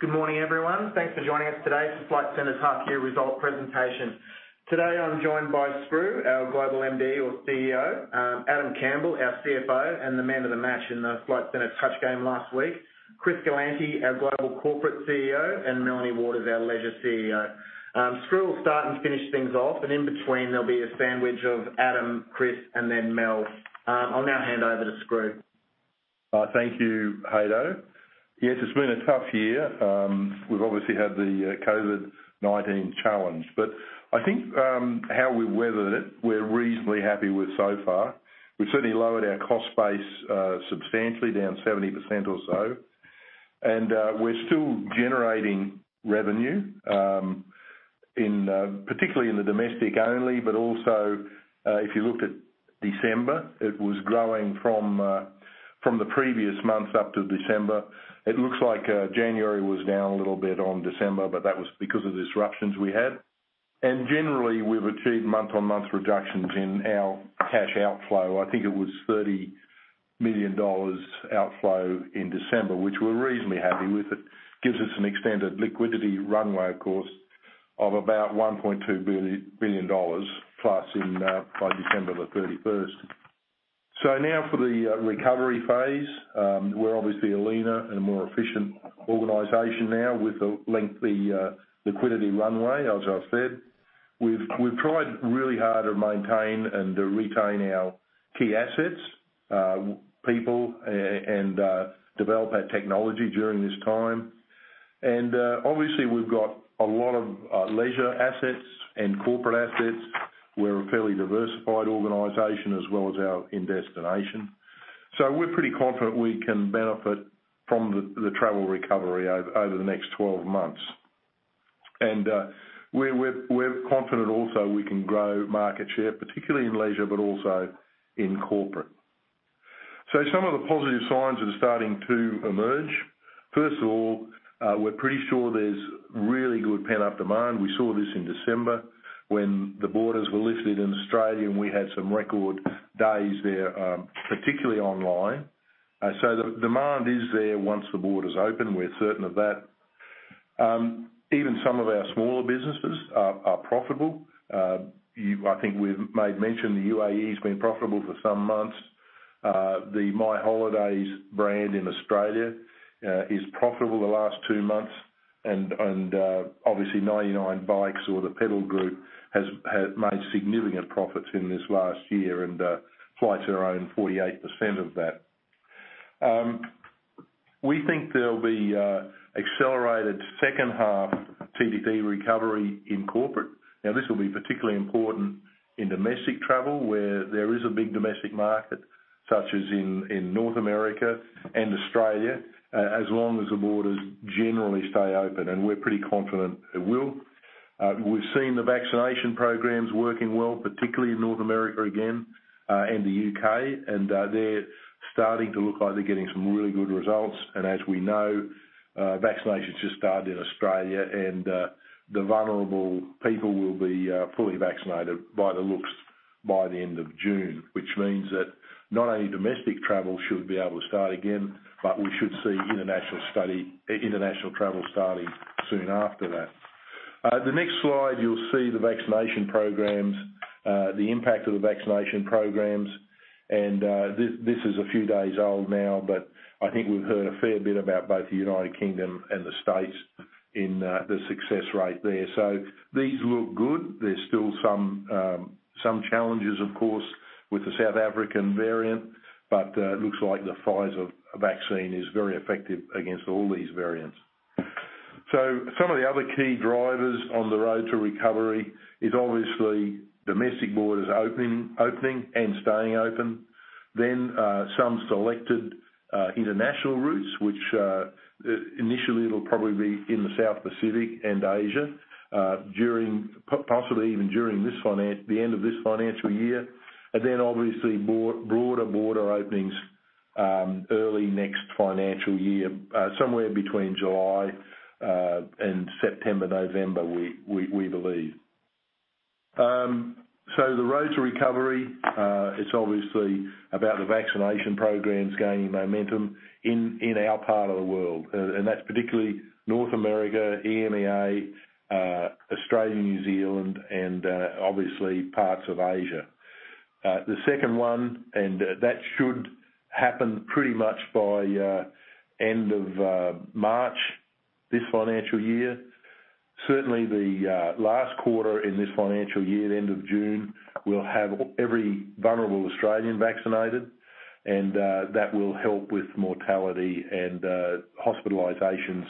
Good morning, everyone. Thanks for joining us today for Flight Centre's half year result presentation. Today, I'm joined by Skroo, our Global MD or CEO, Adam Campbell, our CFO, and the man of the match in the Flight Centre touch game last week. Chris Galanty, our Global Corporate CEO, and Melanie Waters is our Leisure CEO. Skroo will start and finish things off, and in between there'll be a sandwich of Adam, Chris, and then Mel. I'll now hand over to Skroo. Thank you, Haydn. Yes, it's been a tough year. We've obviously had the COVID-19 challenge. I think how we weathered it, we're reasonably happy with so far. We've certainly lowered our cost base substantially, down 70% or so. We're still generating revenue, particularly in the domestic only, but also if you looked at December, it was growing from the previous months up to December. It looks like January was down a little bit on December, but that was because of the disruptions we had. Generally, we've achieved month-on-month reductions in our cash outflow. I think it was 30 million dollars outflow in December, which we're reasonably happy with. It gives us an extended liquidity runway, of course, of about 1.2 billion dollars plus by December 31st. Now for the recovery phase. We're obviously a leaner and a more efficient organization now with a lengthy liquidity runway, as I said. We've tried really hard to maintain and to retain our key assets, people, and develop our technology during this time. Obviously, we've got a lot of leisure assets and corporate assets. We're a fairly diversified organization as well as our destination. We're pretty confident we can benefit from the travel recovery over the next 12 months. We're confident also we can grow market share, particularly in leisure, but also in corporate. Some of the positive signs are starting to emerge. First of all, we're pretty sure there's really good pent-up demand. We saw this in December when the borders were lifted in Australia, and we had some record days there, particularly online. The demand is there once the borders open. We're certain of that. Even some of our smaller businesses are profitable. I think we've made mention the UAE has been profitable for some months. The My Holiday brand in Australia is profitable the last two months, and obviously, 99 Bikes or the Pedal Group has made significant profits in this last year, and Flight Centre own 48% of that. We think there'll be accelerated second half TTV recovery in corporate. Now, this will be particularly important in domestic travel, where there is a big domestic market, such as in North America and Australia, as long as the borders generally stay open, and we're pretty confident they will. We've seen the vaccination programs working well, particularly in North America again and the U.K., and they're starting to look like they're getting some really good results. As we know, vaccinations just started in Australia, and the vulnerable people will be fully vaccinated by the looks by the end of June. Which means that not only domestic travel should be able to start again, but we should see international travel starting soon after that. The next slide, you'll see the vaccination programs, the impact of the vaccination programs. This is a few days old now, but I think we've heard a fair bit about both the United Kingdom and the U.S. in the success rate there. These look good. There's still some challenges, of course, with the South African variant, but it looks like the Pfizer vaccine is very effective against all these variants. Some of the other key drivers on the road to recovery is obviously domestic borders opening and staying open. Some selected international routes, which initially it'll probably be in the South Pacific and Asia, possibly even during the end of this financial year. Obviously broader border openings early next financial year, somewhere between July and September, November, we believe. The road to recovery, it's obviously about the vaccination programs gaining momentum in our part of the world. That's particularly North America, EMEA, Australia, New Zealand, and obviously parts of Asia. The second one, that should happen pretty much by end of March this financial year. Certainly, the last quarter in this financial year, end of June, we'll have every vulnerable Australian vaccinated, and that will help with mortality and hospitalizations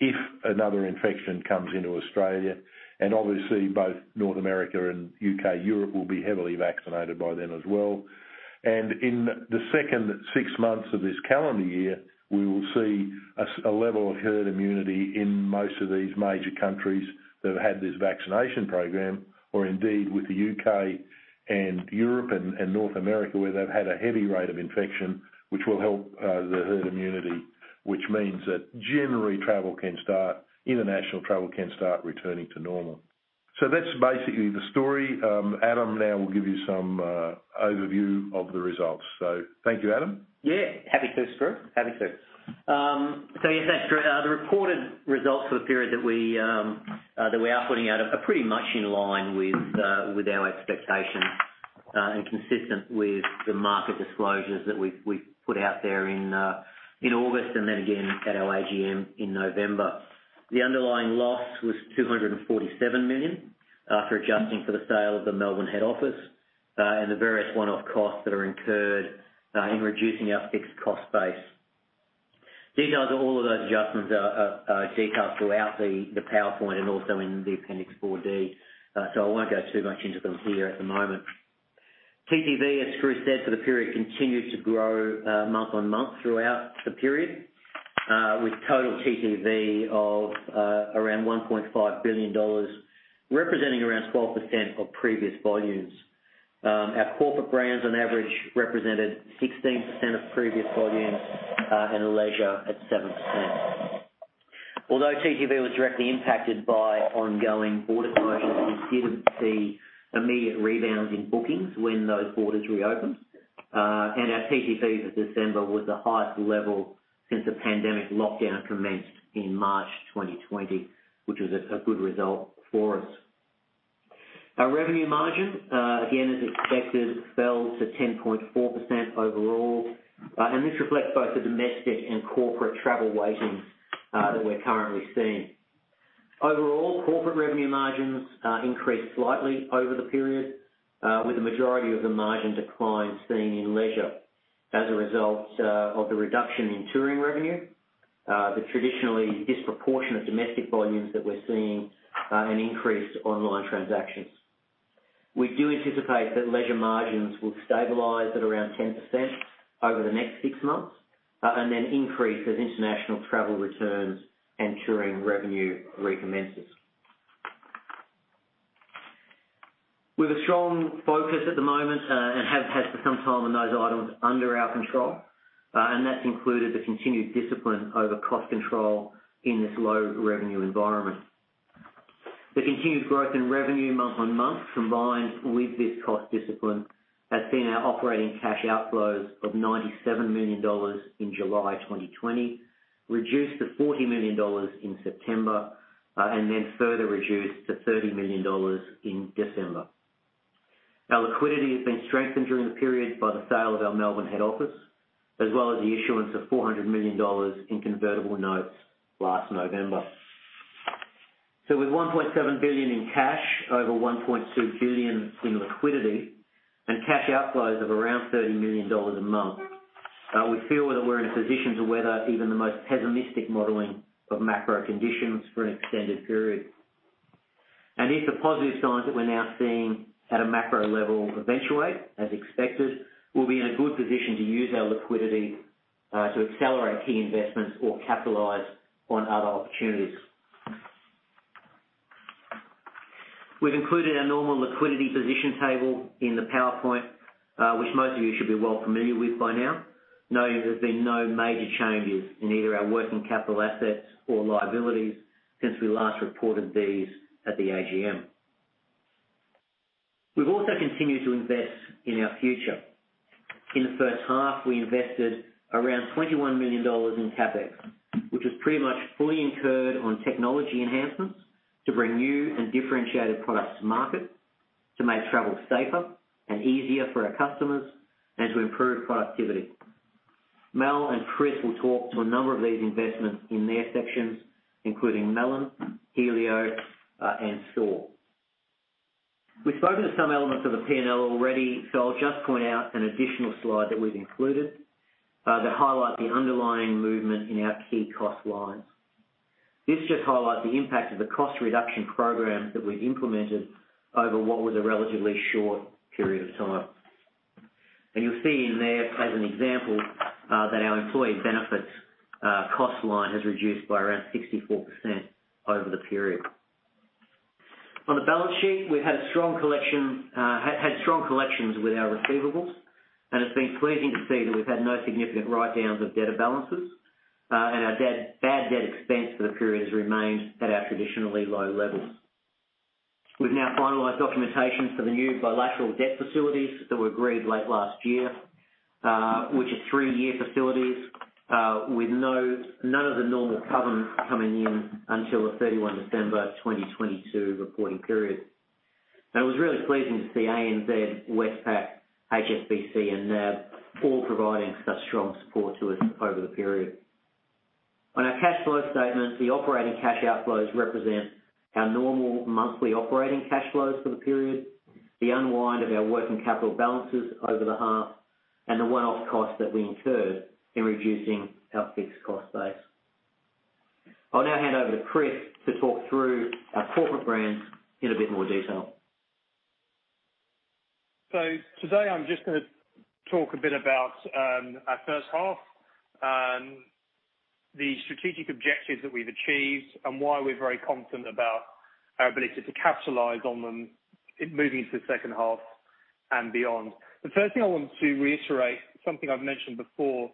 if another infection comes into Australia. Obviously both North America and U.K., Europe will be heavily vaccinated by then as well. In the second six months of this calendar year, we will see a level of herd immunity in most of these major countries that have had this vaccination program. Indeed, with the U.K. and Europe and North America, where they've had a heavy rate of infection, which will help the herd immunity, which means that generally international travel can start returning to normal. That's basically the story. Adam now will give you some overview of the results. Thank you, Adam. Yeah. Happy to, Skroo. Happy to. So, you said the reported results for the period that we are putting out are pretty much in line with our expectations and consistent with the market disclosures that we've put out there in August, and then again at our AGM in November. The underlying loss was 247 million after adjusting for the sale of the Melbourne head office, and the various one-off costs that are incurred in reducing our fixed cost base. Details of all of those adjustments are detailed throughout the PowerPoint and also in the Appendix 4D. I won't go too much into them here at the moment. TTV, as Skroo said, for the period, continued to grow month-on-month throughout the period with total TTV of around 1.5 billion dollars, representing around 12% of previous volumes. Our corporate brands on average represented 16% of previous volumes, and leisure at 7%. Although TTV was directly impacted by ongoing border closures, we did see immediate rebounds in bookings when those borders reopened. Our TTV for December was the highest level since the pandemic lockdown commenced in March 2020, which was a good result for us. Our revenue margin, again, as expected, fell to 10.4% overall. This reflects both the domestic and corporate travel weighting that we're currently seeing. Overall, corporate revenue margins increased slightly over the period, with the majority of the margin declines seen in leisure as a result of the reduction in touring revenue, the traditionally disproportionate domestic volumes that we're seeing, and increased online transactions. We do anticipate that leisure margins will stabilize at around 10% over the next six months, and then increase as international travel returns and touring revenue recommences. With a strong focus at the moment, and have had for some time on those items under our control, and that's included the continued discipline over cost control in this low revenue environment. The continued growth in revenue month-on-month, combined with this cost discipline, has seen our operating cash outflows of 97 million dollars in July 2020, reduced to 40 million dollars in September, and then further reduced to 30 million dollars in December. Our liquidity has been strengthened during the period by the sale of our Melbourne head office, as well as the issuance of 400 million dollars in convertible notes last November. With 1.7 billion in cash, over 1.2 billion in liquidity, and cash outflows of around 30 million dollars a month, we feel that we're in a position to weather even the most pessimistic modeling of macro conditions for an extended period. If the positive signs that we're now seeing at a macro level eventuate, as expected, we'll be in a good position to use our liquidity to accelerate key investments or capitalize on other opportunities. We've included our normal liquidity position table in the PowerPoint, which most of you should be well familiar with by now, knowing there's been no major changes in either our working capital assets or liabilities since we last reported these at the AGM. We've also continued to invest in our future. In the first half, we invested around 21 million dollars in CapEx, which was pretty much fully incurred on technology enhancements to bring new and differentiated products to market to make travel safer and easier for our customers and to improve productivity. Mel and Chris will talk to a number of these investments in their sections, including Melon, Helio, and SOAR. We've spoken to some elements of the P&L already, I'll just point out an additional slide that we've included that highlight the underlying movement in our key cost lines. This just highlights the impact of the cost reduction program that we've implemented over what was a relatively short period of time. You'll see in there as an example, that our employee benefits cost line has reduced by around 64% over the period. On the balance sheet, we've had strong collections with our receivables, and it's been pleasing to see that we've had no significant write-downs of debtor balances. Our bad debt expense for the period has remained at our traditionally low levels. We've now finalized documentation for the new bilateral debt facilities that were agreed late last year, which are three-year facilities with none of the normal covenants coming in until December 31, 2022, reporting period. It was really pleasing to see ANZ, Westpac, HSBC and NAB all providing such strong support to us over the period. On our cash flow statement, the operating cash outflows represent our normal monthly operating cash flows for the period, the unwind of our working capital balances over the half, and the one-off costs that we incurred in reducing our fixed cost base. I'll now hand over to Chris to talk through our corporate brands in a bit more detail. Today I'm just going to talk a bit about our first half and the strategic objectives that we've achieved and why we're very confident about our ability to capitalize on them moving into the second half. Beyond. The first thing I want to reiterate, something I've mentioned before,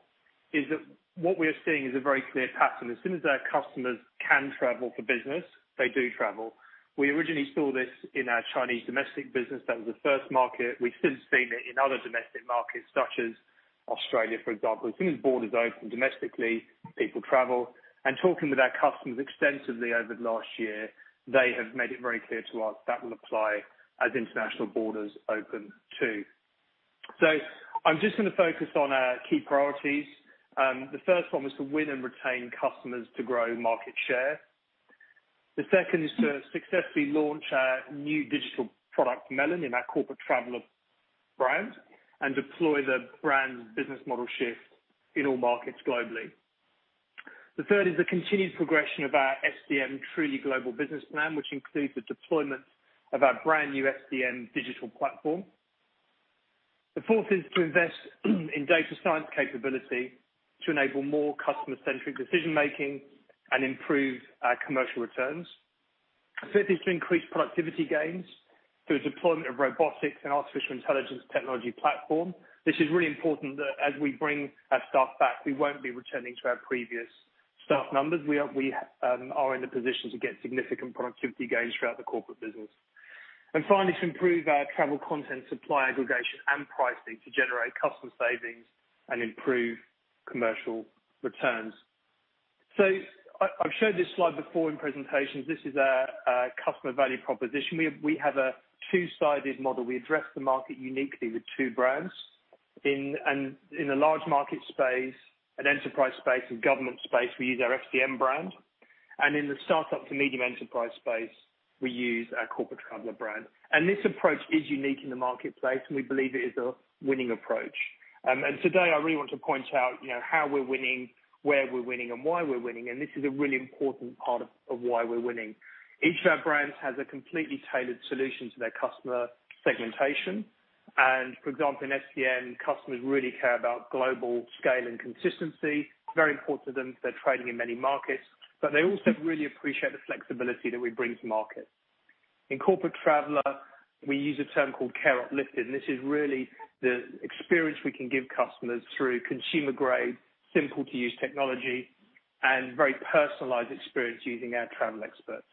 is that what we are seeing is a very clear pattern. As soon as our customers can travel for business, they do travel. We originally saw this in our Chinese domestic business. That was the first market. We've since seen it in other domestic markets, such as Australia, for example. As soon as borders open domestically, people travel. Talking with our customers extensively over the last year, they have made it very clear to us that will apply as international borders open, too. I'm just going to focus on our key priorities. The first one was to win and retain customers to grow market share. The second is to successfully launch our new digital product, Melon, in our Corporate Traveller brand, and deploy the brand business model shift in all markets globally. The third is the continued progression of our FCM Truly Global business plan, which includes the deployment of our brand new FCM digital platform. The fourth is to invest in data science capability to enable more customer-centric decision-making and improve our commercial returns. Fifth is to increase productivity gains through deployment of robotics and artificial intelligence technology platform. This is really important that as we bring our staff back, we won't be returning to our previous staff numbers. We are in the position to get significant productivity gains throughout the corporate business. Finally, to improve our travel content supply aggregation and pricing to generate customer savings and improve commercial returns. I've showed this slide before in presentations. This is our customer value proposition. We have a two-sided model. We address the market uniquely with two brands. In a large market space, an enterprise space and government space, we use our FCM brand. In the startup to medium enterprise space, we use our Corporate Traveller brand. This approach is unique in the marketplace, and we believe it is a winning approach. Today, I really want to point out how we're winning, where we're winning, and why we're winning, and this is a really important part of why we're winning. Each of our brands has a completely tailored solution to their customer segmentation. For example, in FCM, customers really care about global scale and consistency. Very important to them as they're trading in many markets, but they also really appreciate the flexibility that we bring to market. In Corporate Travel, we use a term called Care Uplifted, and this is really the experience we can give customers through consumer-grade, simple-to-use technology and very personalized experience using our travel experts.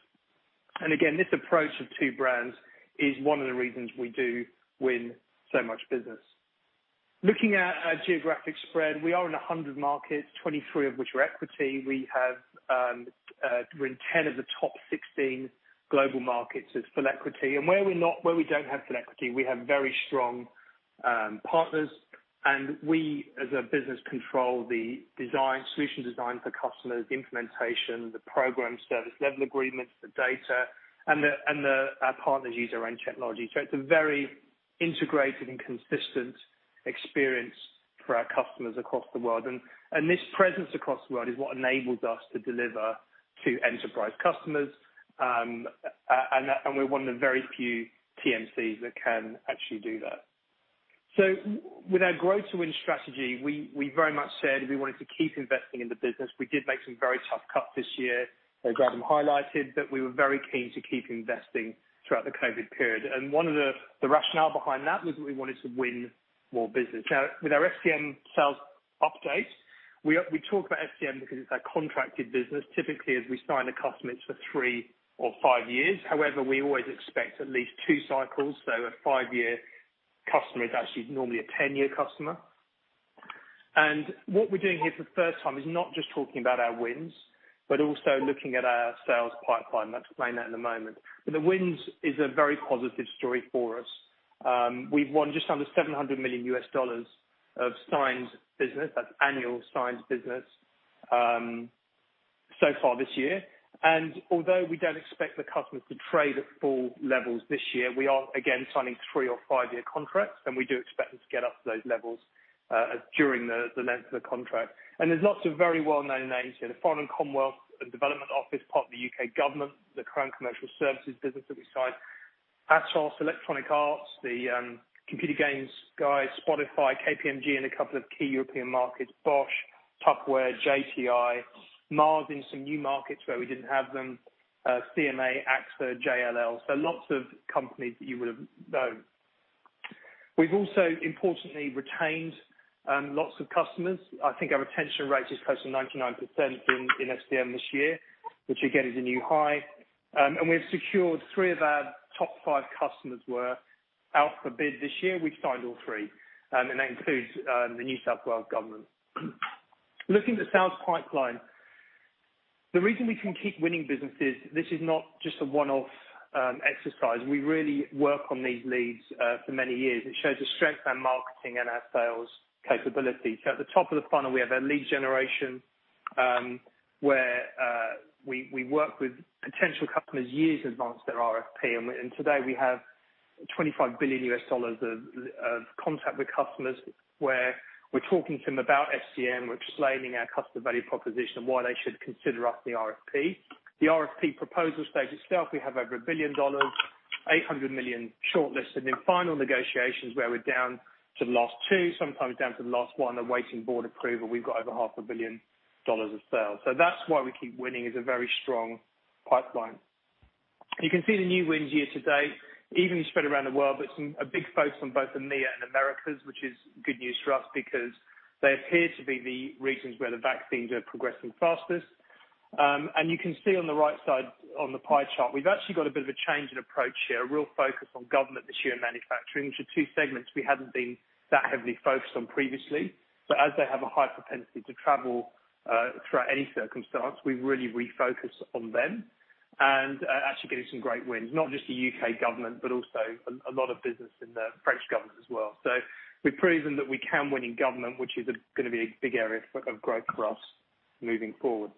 Again, this approach of two brands is one of the reasons we do win so much business. Looking at our geographic spread, we are in 100 markets, 23 of which are equity. We are in 10 of the top 16 global markets with full equity. Where we do not have full equity, we have very strong partners, and we, as a business, control the solution design for customers, the implementation, the program service level agreements, the data, and our partners use our own technology. It is a very integrated and consistent experience for our customers across the world. This presence across the world is what enables us to deliver to enterprise customers. We're one of the very few TMCs that can actually do that. With our Grow to Win strategy, we very much said we wanted to keep investing in the business. We did make some very tough cuts this year, as Graham highlighted, but we were very keen to keep investing throughout the COVID period. One of the rationale behind that was we wanted to win more business. Now with our FCM sales update, we talk about FCM because it's our contracted business. Typically, as we sign a customer, it's for three or five years. However, we always expect at least two cycles, so a five-year customer is actually normally a 10-year customer. What we're doing here for the first time is not just talking about our wins but also looking at our sales pipeline. I'll explain that in a moment. The wins is a very positive story for us. We've won just under $700 million U.S. dollars of signed business. That's annual signed business so far this year. Although we don't expect the customers to trade at full levels this year, we are again signing three or five-year contracts, we do expect them to get up to those levels during the length of the contract. There's lots of very well-known names here. The Foreign, Commonwealth and Development Office, part of the U.K. government, the Crown Commercial Service business that we signed, ASOS, Electronic Arts, the computer games guys, Spotify, KPMG in a couple of key European markets, Bosch, Tupperware, JTI, Mars in some new markets where we didn't have them, CMA, AXA, JLL. Lots of companies that you would have known. We've also importantly retained lots of customers. I think our retention rate is close to 99% in FCM this year, which again is a new high. We've secured three of our top five customers were out for bid this year. We've signed all three, and that includes the New South Wales Government. Looking at the sales pipeline, the reason we can keep winning business is this is not just a one-off exercise. We really work on these leads for many years. It shows the strength of our marketing and our sales capability. At the top of the funnel, we have our lead generation, where we work with potential customers years advanced their RFP. Today we have $25 billion of contact with customers, where we're talking to them about FCM, we're explaining our customer value proposition, why they should consider us in the RFP. The RFP proposal stage itself, we have over 1 billion dollars, 800 million shortlisted. In final negotiations, where we're down to the last two, sometimes down to the last one, they're waiting board approval, we've got over 500 million dollars of sales. That's why we keep winning is a very strong pipeline. You can see the new wins year-to-date evenly spread around the world, but a big focus on both EMEA and Americas, which is good news for us because they appear to be the regions where the vaccines are progressing fastest. You can see on the right-side on the pie chart, we've actually got a bit of a change in approach here, a real focus on government this year and manufacturing, which are two segments we hadn't been that heavily focused on previously. As they have a high propensity to travel throughout any circumstance, we've really refocused on them and actually getting some great wins, not just the U.K. government, but also a lot of business in the French government as well. We've proven that we can win in government, which is going to be a big area of growth for us moving forward.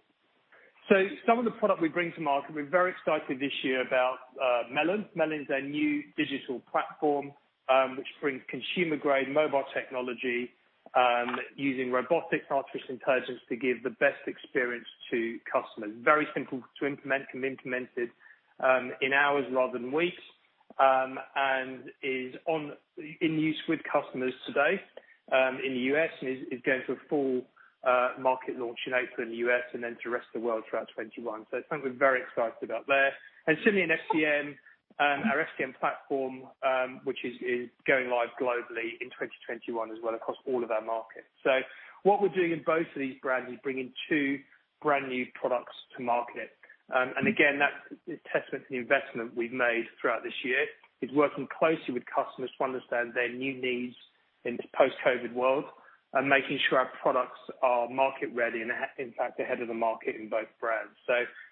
Some of the product we bring to market, we're very excited this year about Melon. Melon is our new digital platform, which brings consumer-grade mobile technology using robotics, artificial intelligence, to give the best experience to customers. Very simple to implement. Can be implemented in hours rather than weeks, and is in use with customers today in the U.S., and is going through a full market launch in April in the U.S. and then to the rest of the world throughout 2021. Something we're very excited about there. Similarly, in FCM, our FCM platform, which is going live globally in 2021 as well across all of our markets. What we're doing in both of these brands is bringing two brand-new products to market. Again, that is testament to the investment we've made throughout this year, is working closely with customers to understand their new needs in this post-COVID-19 world and making sure our products are market ready and, in fact, ahead of the market in both brands.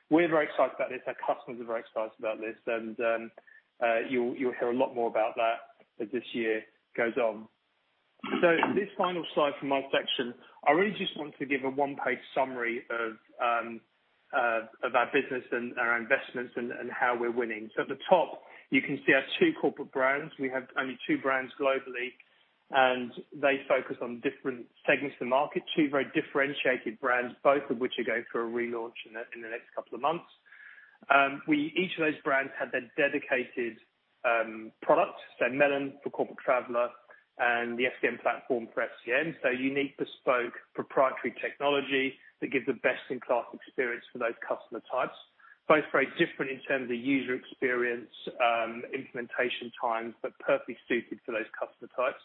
We're very excited about this. Our customers are very excited about this, and you'll hear a lot more about that as this year goes on. This final slide for my section, I really just want to give a one-page summary of our business and our investments and how we're winning. At the top, you can see our two corporate brands. We have only two brands globally, and they focus on different segments of the market. Two very differentiated brands, both of which are going through a relaunch in the next couple of months. Each of those brands have their dedicated products, Melon for Corporate Traveller and the FCM platform for FCM. Unique, bespoke, proprietary technology that gives a best-in-class experience for those` customer types. Both in terms of user experience, implementation times, but perfectly suited for those customer types.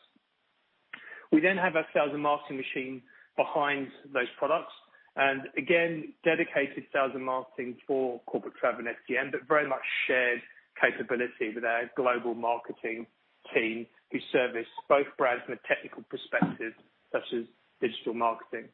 We then have our sales and marketing machine behind those products, and again, dedicated sales and marketing for Corporate Traveller and FCM, but very much shared capability with our global marketing team who service both brands from a technical perspective, such as digital marketing.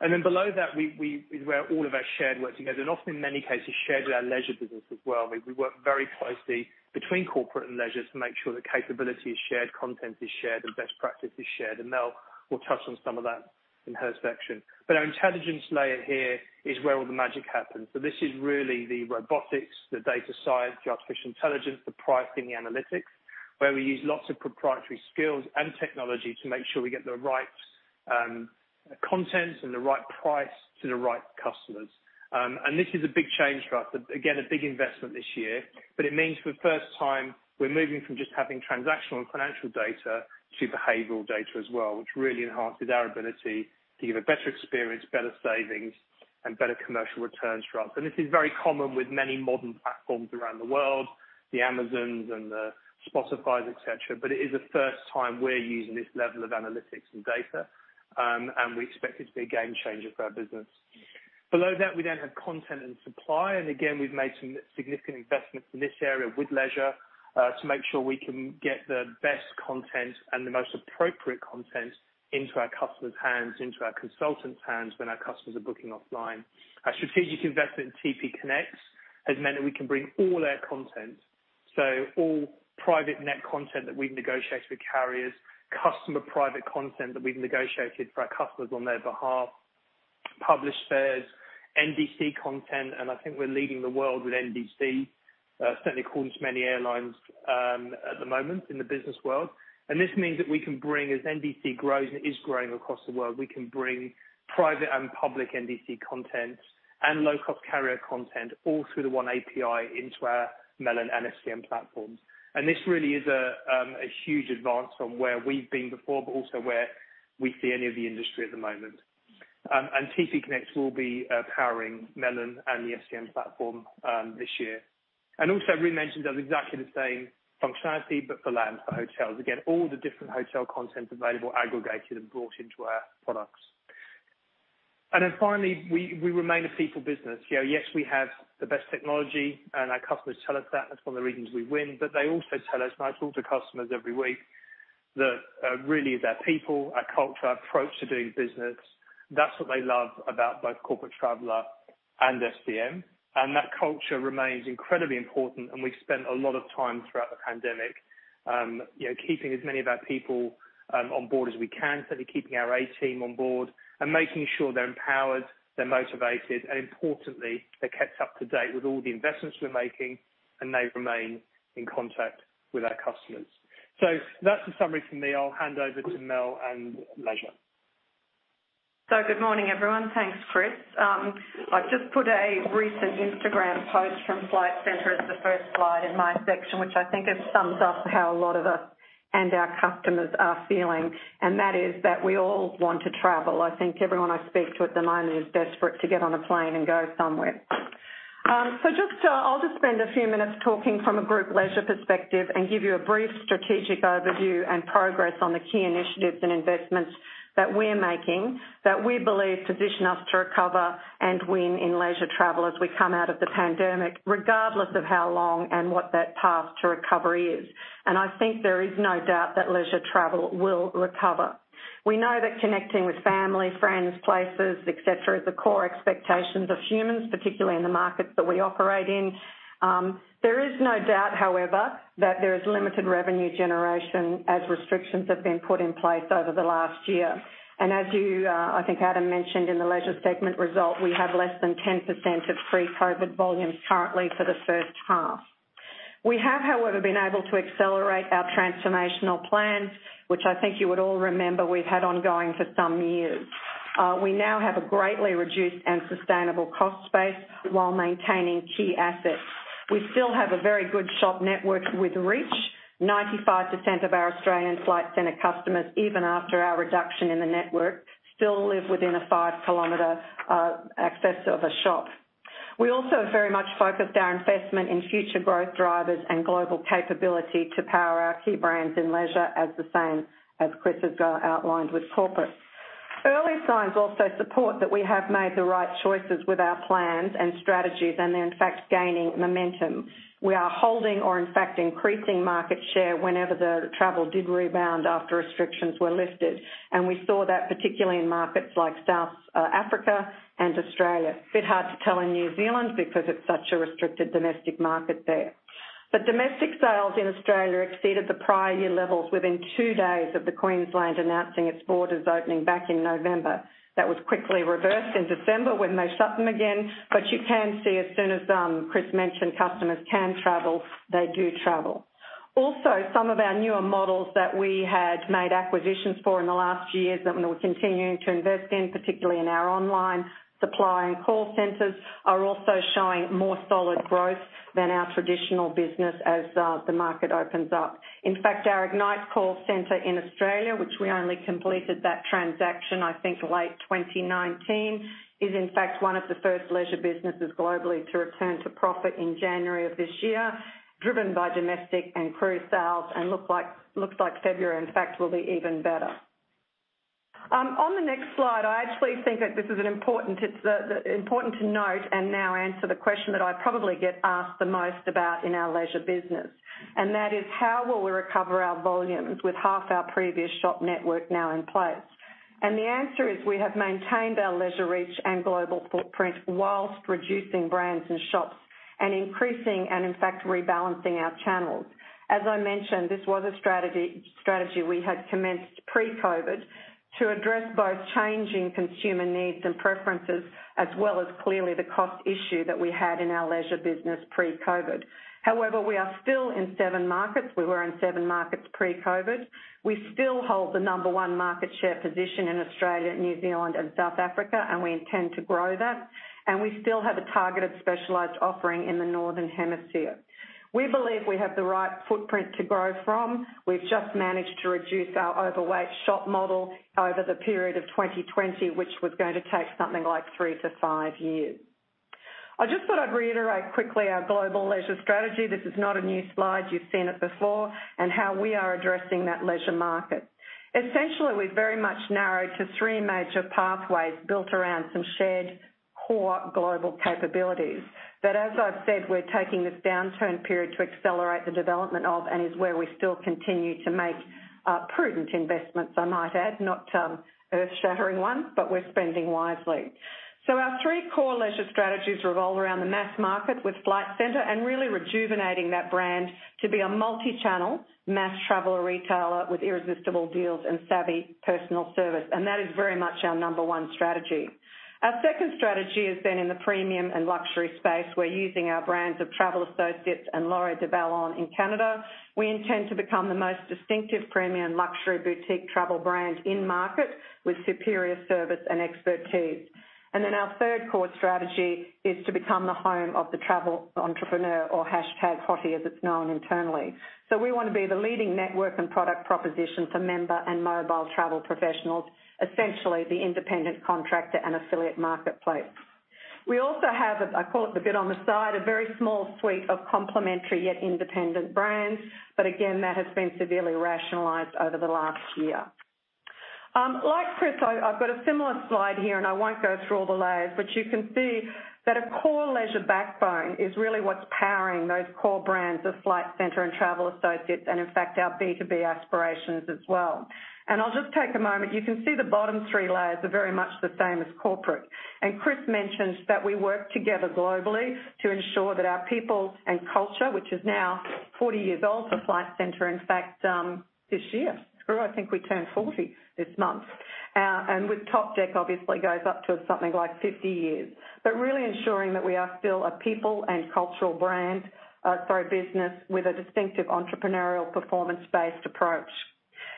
Below that is where all of our shared working is, and often in many cases, shared with our leisure business as well. We work very closely between corporate and leisure to make sure that capability is shared, content is shared, and best practice is shared, and Mel will touch on some of that in her section. Our intelligence layer here is where all the magic happens. This is really the robotics, the data science, the artificial intelligence, the pricing analytics, where we use lots of proprietary skills and technology to make sure we get the right content and the right price to the right customers. This is a big change for us, again, a big investment this year, but it means for the first time, we're moving from just having transactional and financial data to behavioral data as well, which really enhances our ability to give a better experience, better savings, and better commercial returns for us. This is very common with many modern platforms around the world, the Amazons and the Spotifys, et cetera. It is the first time we're using this level of analytics and data, and we expect it to be a game changer for our business. Below that, we then have content and supply, again, we've made some significant investments in this area with leisure to make sure we can get the best content and the most appropriate content into our customers' hands, into our consultants' hands when our customers are booking offline. Our strategic investment in TPConnects has meant that we can bring all their content, so all private net content that we've negotiated with carriers, customer private content that we've negotiated for our customers on their behalf, published fares, NDC content. I think we're leading the world with NDC, certainly according to many airlines at the moment in the business world. This means that we can bring, as NDC grows, and it is growing across the world, we can bring private and public NDC content and low-cost carrier content all through the one API into our Melon and FCM platforms. This really is a huge advance from where we've been before, but also where we see any of the industry at the moment. TPConnects will be powering Melon and the FCM platform this year. Also, we mentioned that's exactly the same functionality, but for land, for hotels. Again, all the different hotel content available aggregated and brought into our products. Finally, we remain a people business. Yes, we have the best technology, and our customers tell us that. That's one of the reasons we win. They also tell us, and I talk to customers every week, that really it's our people, our culture, our approach to doing business. That's what they love about both Corporate Traveller and FCM. That culture remains incredibly important, and we've spent a lot of time throughout the pandemic keeping as many of our people on board as we can, certainly keeping our A-team on board and making sure they're empowered, they're motivated, and importantly, they're kept up to date with all the investments we're making, and they remain in contact with our customers. That's the summary from me. I'll hand over to Mel and leisure. Good morning, everyone. Thanks, Chris. I've just put a recent Instagram post from Flight Centre as the first slide in my section, which I think sums up how a lot of us and our customers are feeling, and that is that we all want to travel. I think everyone I speak to at the moment is desperate to get on a plane and go somewhere. I'll just spend a few minutes talking from a group leisure perspective and give you a brief strategic overview and progress on the key initiatives and investments that we're making that we believe position us to recover and win in leisure Travel as we come out of the pandemic, regardless of how long and what that path to recovery is. I think there is no doubt that Leisure Travel will recover. We know that connecting with family, friends, places, et cetera, is a core expectation of humans, particularly in the markets that we operate in. There is no doubt, however, that there is limited revenue generation as restrictions have been put in place over the last year. As you, I think Adam mentioned in the leisure segment result, we have less than 10% of pre-COVID volumes currently for the first half. We have, however, been able to accelerate our transformational plans, which I think you would all remember we've had ongoing for some years. We now have a greatly reduced and sustainable cost base while maintaining key assets. We still have a very good shop network with Reach. 95% of our Australian Flight Centre customers, even after our reduction in the network, still live within a 5 km access of a shop. We also have very much focused our investment in future growth drivers and global capability to power our key brands in leisure as the same as Chris has outlined with corporate. Early signs also support that we have made the right choices with our plans and strategies, and they're in fact gaining momentum. We are holding or in fact increasing market share whenever the travel did rebound after restrictions were lifted. We saw that particularly in markets like South Africa and Australia. A bit hard to tell in New Zealand because it's such a restricted domestic market there. Domestic sales in Australia exceeded the prior year levels within two days of the Queensland announcing its borders opening back in November. That was quickly reversed in December when they shut them again. You can see as soon as Chris mentioned customers can travel, they do travel. Also, some of our newer models that we had made acquisitions for in the last years that we're continuing to invest in, particularly in our online supply and call centers, are also showing more solid growth than our traditional business as the market opens up. In fact, our Ignite call center in Australia, which we only completed that transaction, I think late 2019, is in fact one of the first leisure businesses globally to return to profit in January of this year, driven by domestic and cruise sales, and looks like February, in fact, will be even better. On the next slide, I actually think that this is important to note and now answer the question that I probably get asked the most about in our leisure business. That is how will we recover our volumes with half our previous shop network now in place? The answer is we have maintained our leisure reach and global footprint whilst reducing brands and shops and increasing and in fact rebalancing our channels. As I mentioned, this was a strategy we had commenced pre-COVID to address both changing consumer needs and preferences, as well as clearly the cost issue that we had in our leisure business pre-COVID. However, we are still in seven markets. We were in seven markets pre-COVID. We still hold the number one market share position in Australia, New Zealand, and South Africa, and we intend to grow that. We still have a targeted specialized offering in the Northern Hemisphere. We believe we have the right footprint to grow from. We've just managed to reduce our overweight shop model over the period of 2020, which was going to take something like three to five years. I just thought I'd reiterate quickly our global leisure strategy. This is not a new slide. You've seen it before. How we are addressing that leisure market. Essentially, we very much narrowed to three major pathways built around some shared core global capabilities. As I've said, we're taking this downturn period to accelerate the development of and is where we still continue to make prudent investments, I might add. Not earth-shattering ones, but we're spending wisely. Our three core leisure strategies revolve around the mass market with Flight Centre and really rejuvenating that brand to be a multi-channel mass traveler retailer with irresistible deals and savvy personal service. That is very much our number one strategy. Our second strategy has been in the premium and luxury space. We're using our brands of Travel Associates and Laurier Du Vallon in Canada. We intend to become the most distinctive premium luxury boutique travel brand in market with superior service and expertise. Our third core strategy is to become the home of the travel entrepreneur or #HOTTE as it's known internally. We want to be the leading network and product proposition for member and mobile travel professionals, essentially the independent contractor and affiliate marketplace. We also have, I call it the bit on the side, a very small suite of complementary yet independent brands. Again, that has been severely rationalized over the last year. Like Chris, I've got a similar slide here, and I won't go through all the layers, but you can see that a core leisure backbone is really what's powering those core brands of Flight Centre and Travel Associates, and in fact, our B2B aspirations as well. I'll just take a moment. You can see the bottom three layers are very much the same as corporate. Chris mentioned that we work together globally to ensure that our people and culture, which is now 40 years old for Flight Centre, in fact, this year. Skroo, I think we turn 40 this month. With Topdeck obviously goes up to something like 50 years. Really ensuring that we are still a people and cultural brand for a business with a distinctive entrepreneurial performance-based approach.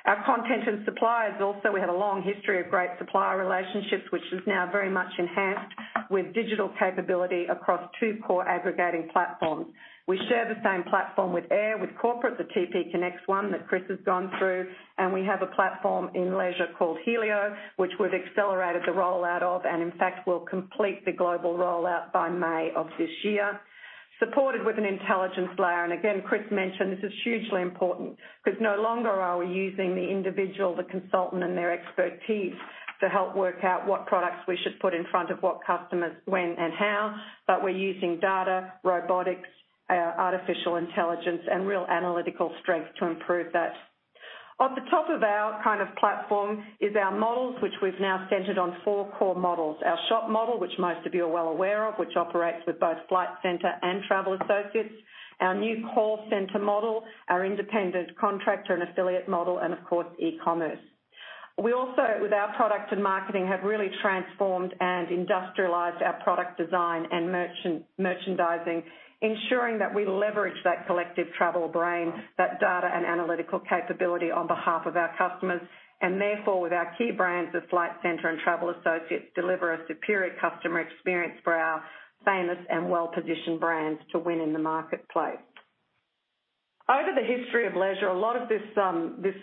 Our content and suppliers also, we have a long history of great supplier relationships, which is now very much enhanced with digital capability across two core aggregating platforms. We share the same platform with air, with corporate, the TPConnects one that Chris has gone through, and we have a platform in leisure called Helio, which we've accelerated the rollout of, and in fact, we'll complete the global rollout by May of this year. Supported with an intelligence layer. Again, Chris mentioned this is hugely important because no longer are we using the individual, the consultant, and their expertise to help work out what products we should put in front of what customers when and how. We're using data, robotics, artificial intelligence, and real analytical strength to improve that. At the top of our platform is our models, which we've now centered on four core models. Our shop model, which most of you are well aware of, which operates with both Flight Centre and Travel Associates. Our new call center model, our independent contractor and affiliate model, of course, e-commerce. We also, with our product and marketing, have really transformed and industrialized our product design and merchandising, ensuring that we leverage that collective travel brain, that data and analytical capability on behalf of our customers. Therefore, with our key brands of Flight Centre and Travel Associates, deliver a superior customer experience for our famous and well-positioned brands to win in the marketplace. Over the history of leisure, a lot of this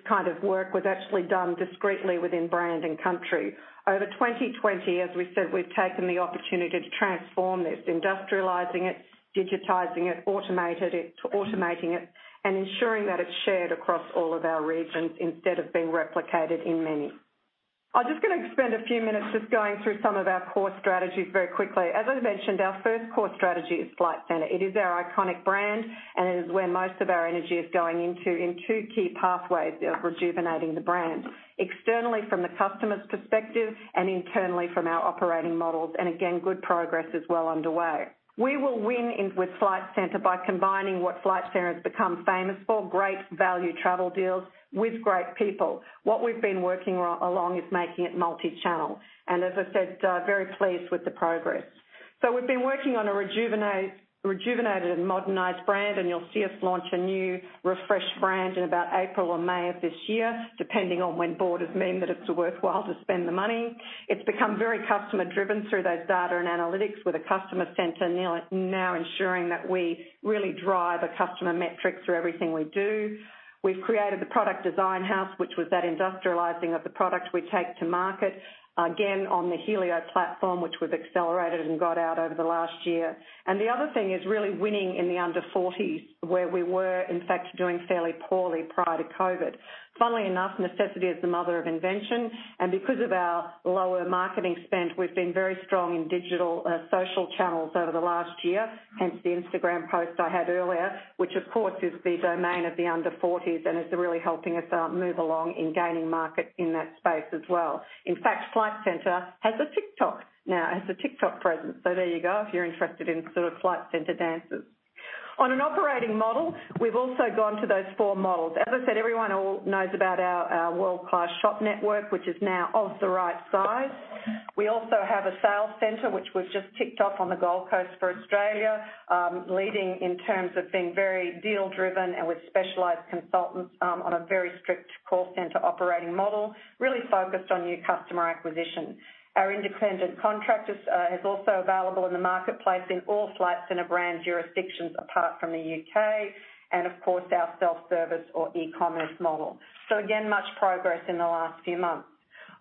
kind of work was actually done discreetly within brand and country. Over 2020, as we said, we've taken the opportunity to transform this, industrializing it, digitizing it, automating it, and ensuring that it's shared across all of our regions instead of being replicated in many. I'm just going to spend a few minutes just going through some of our core strategies very quickly. As I mentioned, our first core strategy is Flight Centre. It is our iconic brand, and it is where most of our energy is going into in two key pathways of rejuvenating the brand, externally from the customer's perspective and internally from our operating models. Again, good progress is well underway. We will win with Flight Centre by combining what Flight Centre has become famous for, great value travel deals with great people. What we've been working along is making it multi-channel. As I said, very pleased with the progress. We've been working on a rejuvenated and modernized brand, and you'll see us launch a new refreshed brand in about April or May of this year, depending on when borders mean that it's worthwhile to spend the money. It's become very customer-driven through those data and analytics with a customer center now ensuring that we really drive a customer metric through everything we do. We've created the product design house, which was that industrializing of the product we take to market. Again, on the Helio platform, which we've accelerated and got out over the last year. The other thing is really winning in the under 40s, where we were, in fact, doing fairly poorly prior to COVID-19. Funnily enough, necessity is the mother of invention, and because of our lower marketing spend, we've been very strong in digital social channels over the last year. Hence the Instagram post I had earlier, which of course, is the domain of the under 40s and is really helping us move along in gaining market in that space as well. In fact, Flight Centre has a TikTok now, has a TikTok presence. There you go, if you're interested in Flight Centre dances. On an operating model, we've also gone to those four models. As I said, everyone knows about our world-class shop network, which is now of the right size. We also have a sales center which we've just ticked off on the Gold Coast for Australia, leading in terms of being very deal-driven and with specialized consultants on a very strict call center operating model, really focused on new customer acquisition. Our independent contractor is also available in the marketplace in all Flight Centre brand jurisdictions apart from the U.K. Of course, our self-service or e-commerce model. Again, much progress in the last few months.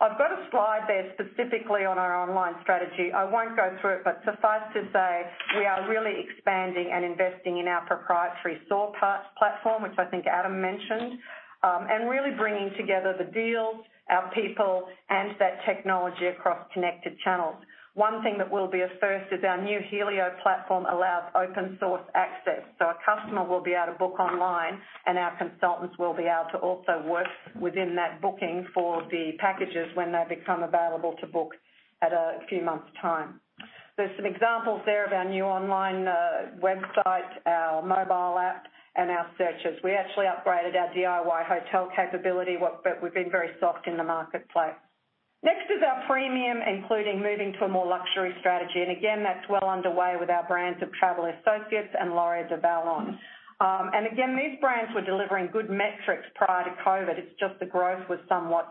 I've got a slide there specifically on our online strategy. I won't go through it, but suffice to say, we are really expanding and investing in our proprietary SOAR platform, which I think Adam mentioned. Really bringing together the deals, our people, and that technology across connected channels. One thing that will be a first is our new Helio platform allows open-source access. A customer will be able to book online, and our consultants will be able to also work within that booking for the packages when they become available to book at a few months' time. There's some examples there of our new online website, our mobile app, and our searches. We actually upgraded our DIY hotel capability, but we've been very soft in the marketplace. Next is our premium, including moving to a more luxury strategy. Again, that's well underway with our brands of Travel Associates and Laurier Du Vallon. These brands were delivering good metrics prior to COVID-19. It's just the growth was somewhat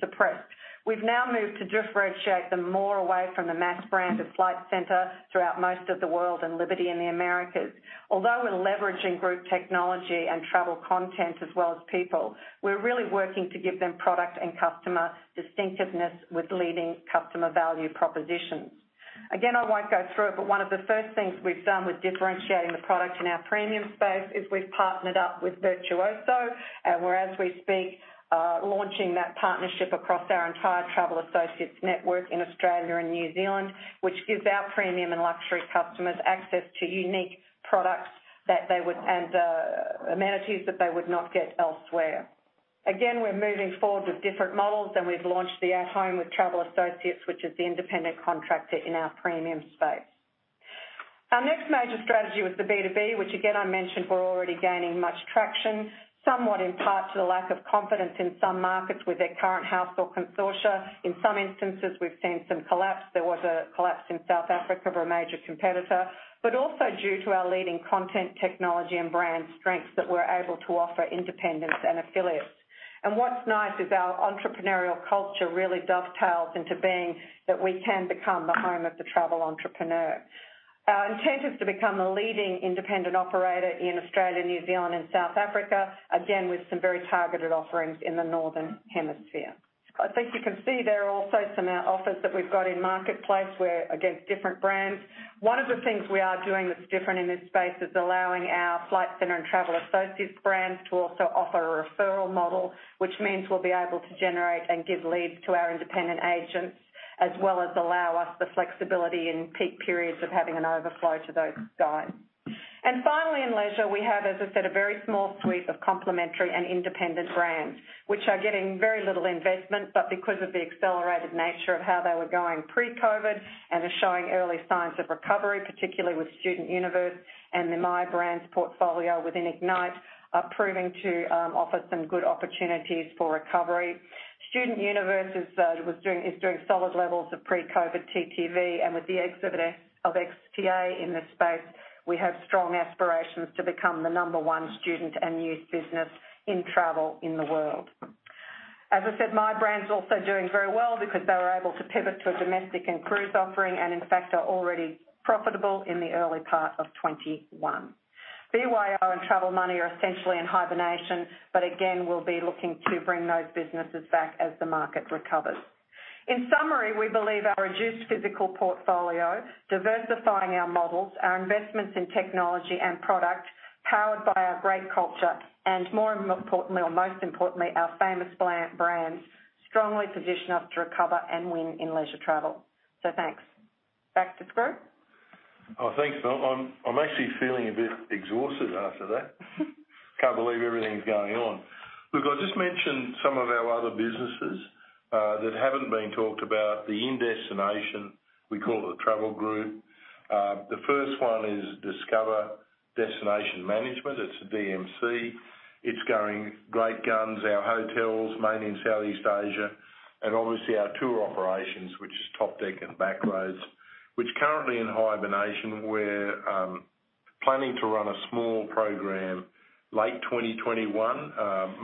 suppressed. We've now moved to differentiate them more away from the mass brand of Flight Centre throughout most of the world and Liberty in the Americas. We're leveraging group technology and travel content as well as people, we're really working to give them product and customer distinctiveness with leading customer value propositions. I won't go through it, one of the first things we've done with differentiating the product in our premium space is we've partnered up with Virtuoso. We're, as we speak, launching that partnership across our entire Travel Associates network in Australia and New Zealand, which gives our premium and luxury customers access to unique products and amenities that they would not get elsewhere. We're moving forward with different models, and we've launched the At Home with Travel Associates, which is the independent contractor in our premium space. Our next major strategy was the B2B, which I mentioned we're already gaining much traction, somewhat in part to the lack of confidence in some markets with their current host or consortia. In some instances, we've seen some collapse. There was a collapse in South Africa of a major competitor. Also due to our leading content technology and brand strengths that we're able to offer independents and affiliates. What's nice is our entrepreneurial culture really dovetails into being that we can become the home of the travel entrepreneur. Our intent is to become a leading independent operator in Australia, New Zealand, and South Africa, again, with some very targeted offerings in the northern hemisphere. I think you can see there are also some offers that we've got in Marketplace against different brands. One of the things we are doing that's different in this space is allowing our Flight Centre and Travel Associates brands to also offer a referral model, which means we'll be able to generate and give leads to our independent agents, as well as allow us the flexibility in peak periods of having an overflow to those guys. Finally, in leisure, we have, as I said, a very small suite of complementary and independent brands, which are getting very little investment. Because of the accelerated nature of how they were going pre-COVID and are showing early signs of recovery, particularly with StudentUniverse and the My Brands portfolio within Ignite, are proving to offer some good opportunities for recovery. StudentUniverse is doing solid levels of pre-COVID TTV. With the exit of STA in this space, we have strong aspirations to become the number one student and youth business in travel in the world. As I said, My Brands also doing very well because they were able to pivot to a domestic and cruise offering, and in fact, are already profitable in the early part of 2021. BYO and Travel Money are essentially in hibernation, but again, we'll be looking to bring those businesses back as the market recovers. In summary, we believe our reduced physical portfolio, diversifying our models, our investments in technology and product, powered by our great culture, and more importantly, or most importantly, our famous brands strongly position us to recover and win in leisure travel. Thanks. Back to the group. Oh, thanks. I'm actually feeling a bit exhausted after that. Can't believe everything that's going on. I'll just mention some of our other businesses that haven't been talked about. The in-destination, we call it the Travel Group. The first one is Discova Destination Management. It's a DMC. It's going great guns. Our hotels, mainly in Southeast Asia, and obviously our tour operations, which is Topdeck and Back-Roads Touring, which currently in hibernation. We're planning to run a small program late 2021,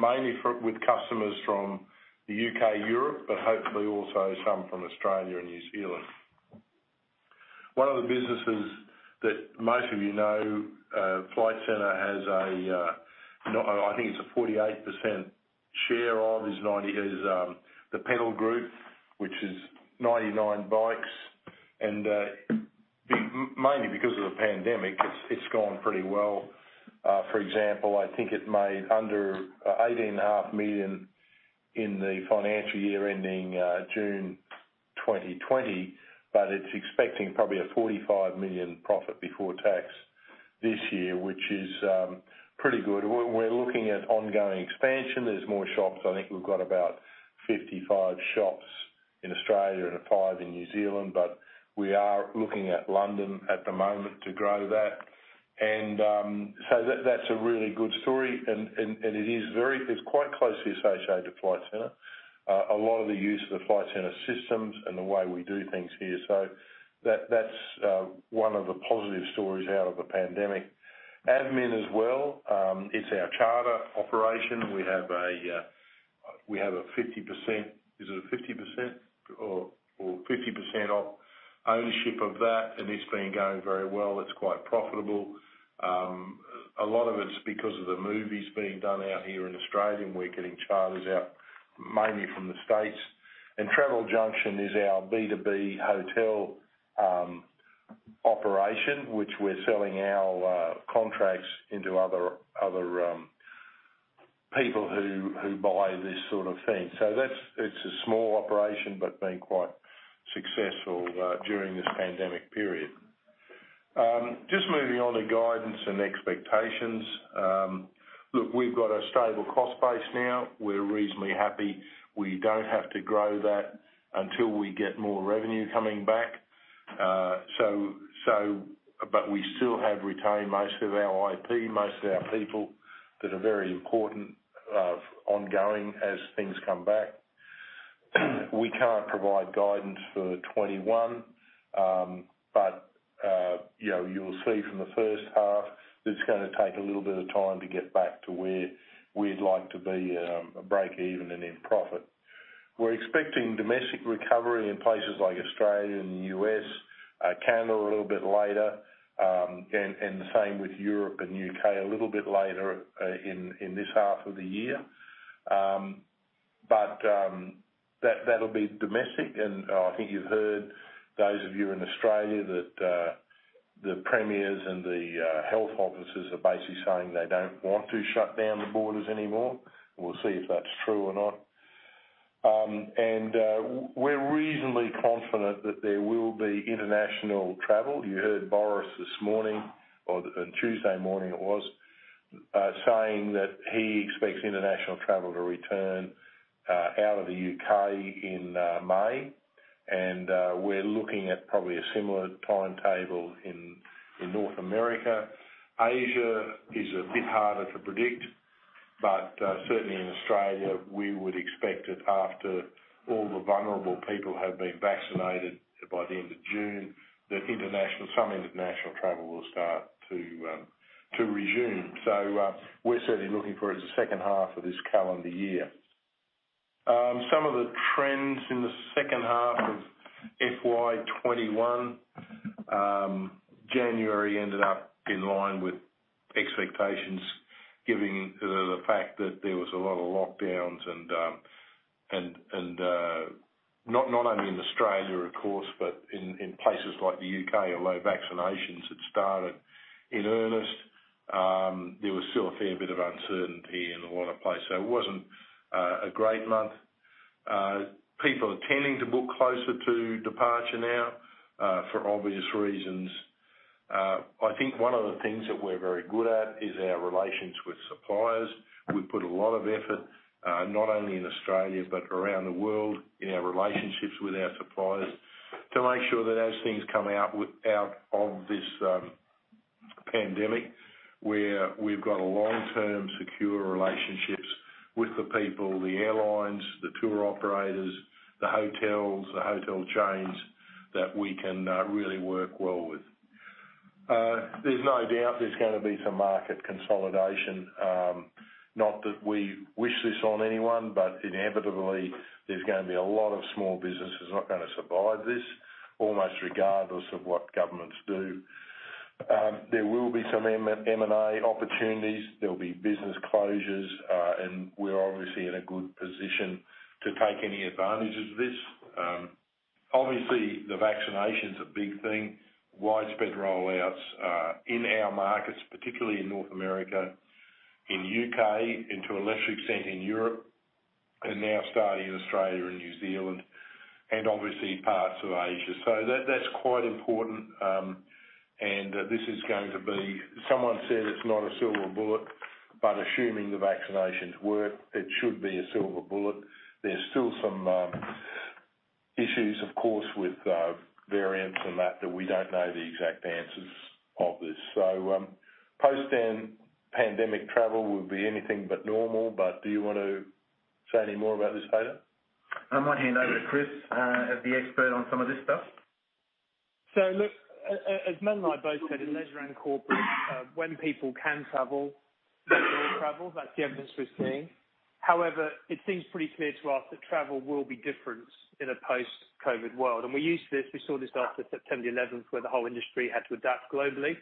mainly with customers from the U.K., Europe, but hopefully also some from Australia and New Zealand. One of the businesses that most of you know, Flight Centre has, I think it's a 48% share of, is the Pedal Group, which is 99 Bikes. Mainly because of the pandemic, it's gone pretty well. I think it made under 18.5 million in the financial year ending June 2020, it's expecting probably a 45 million profit before tax this year, which is pretty good. We're looking at ongoing expansion. There's more shops. I think we've got about 55 shops in Australia and five in New Zealand. We are looking at London at the moment to grow that. That's a really good story, and it is quite closely associated to Flight Centre. A lot of the use of the Flight Centre systems and the way we do things here. That's one of the positive stories out of the pandemic. AVMIN as well. It's our charter operation. We have a 50% ownership of that, and it's been going very well. It's quite profitable. A lot of it's because of the movies being done out here in Australia, we're getting charters out mainly from the U.S. The Travel Junction is our B2B hotel operation, which we're selling our contracts into other people who buy this sort of thing. It's a small operation but been quite successful during this pandemic period. Just moving on to guidance and expectations. Look, we've got a stable cost base now. We're reasonably happy. We don't have to grow that until we get more revenue coming back. We still have retained most of our IP, most of our people that are very important of ongoing as things come back. We can't provide guidance for 2021. You'll see from the first half that it's going to take a little bit of time to get back to where we'd like to be, breakeven and in profit. We're expecting domestic recovery in places like Australia and the U.S. Canada a little bit later, and the same with Europe and U.K., a little bit later in this half of the year. That'll be domestic, and I think you've heard, those of you in Australia, that the premiers and the health officers are basically saying they don't want to shut down the borders anymore. We'll see if that's true or not. We're reasonably confident that there will be international travel. You heard Boris this morning or Tuesday morning it was, saying that he expects international travel to return out of the U.K. in May. We're looking at probably a similar timetable in North America. Asia is a bit harder to predict. Certainly, in Australia, we would expect it after all the vulnerable people have been vaccinated by the end of June, that some international travel will start to resume. We're certainly looking for it as the second half of this calendar year. In the second half of FY 2021, January ended up in line with expectations, given the fact that there was a lot of lockdowns and not only in Australia, of course, but in places like the U.K. a lot of vaccinations had started in earnest. There was still a fair bit of uncertainty in a lot of places. It wasn't a great month. People are tending to book closer to departure now, for obvious reasons. I think one of the things that we're very good at is our relations with suppliers. We've put a lot of effort, not only in Australia but around the world, in our relationships with our suppliers to make sure that as things come out of this pandemic, where we've got long-term secure relationships with the people, the airlines, the tour operators, the hotels, the hotel chains that we can really work well with. There's no doubt there's going to be some market consolidation. Not that we wish this on anyone, but inevitably there's going to be a lot of small businesses not going to survive this, almost regardless of what governments do. There will be some M&A opportunities. There'll be business closures. We're obviously in a good position to take any advantage of this. Obviously, the vaccination's a big thing. Widespread rollouts in our markets, particularly in North America, in U.K., and to a lesser extent in Europe, are now starting in Australia and New Zealand, and obviously parts of Asia. That's quite important. Someone said it's not a silver bullet, assuming the vaccinations work, it should be a silver bullet. There's still some issues, of course, with variants and that we don't know the exact answers of this. Post-pandemic travel will be anything but normal. Do you want to say any more about this, Haydn? I might hand over to Chris, the expert on some of this stuff. So, look, as Melanie and I both said, in leisure and corporate, when people can travel, they will travel. That's the evidence we're seeing. It seems pretty clear to us that travel will be different in a post-COVID-19 world. We used this, we saw this after September 11th, where the whole industry had to adapt globally.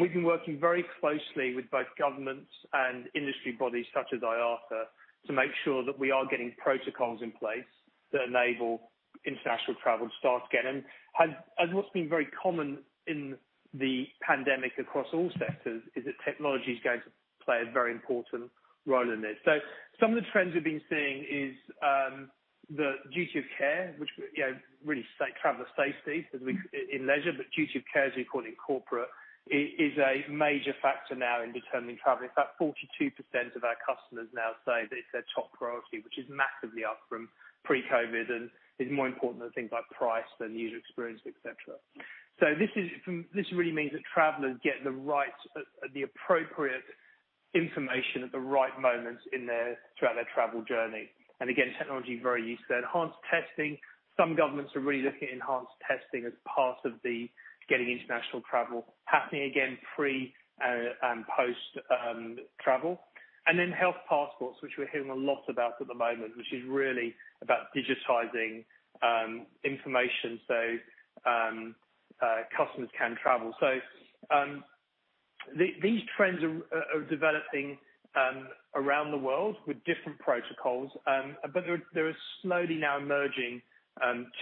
We've been working very closely with both governments and industry bodies such as IATA to make sure that we are getting protocols in place that enable international travel to start again. What's been very common in the pandemic across all sectors is that technology is going to play a very important role in this. Some of the trends we've been seeing is the duty of care, which really traveler safety in leisure, but duty of care as we call it in corporate, is a major factor now in determining travel. In fact, 42% of our customers now say that it's their top priority, which is massively up from pre-COVID and is more important than things like price, the user experience, et cetera. This really means that travelers get the appropriate information at the right moments throughout their travel journey. Again, technology is very useful. Enhanced testing. Some governments are really looking at enhanced testing as part of the getting international travel happening again pre and post travel. Health passports, which we're hearing a lot about at the moment, which is really about digitizing information so customers can travel. These trends are developing around the world with different protocols. There are slowly now emerging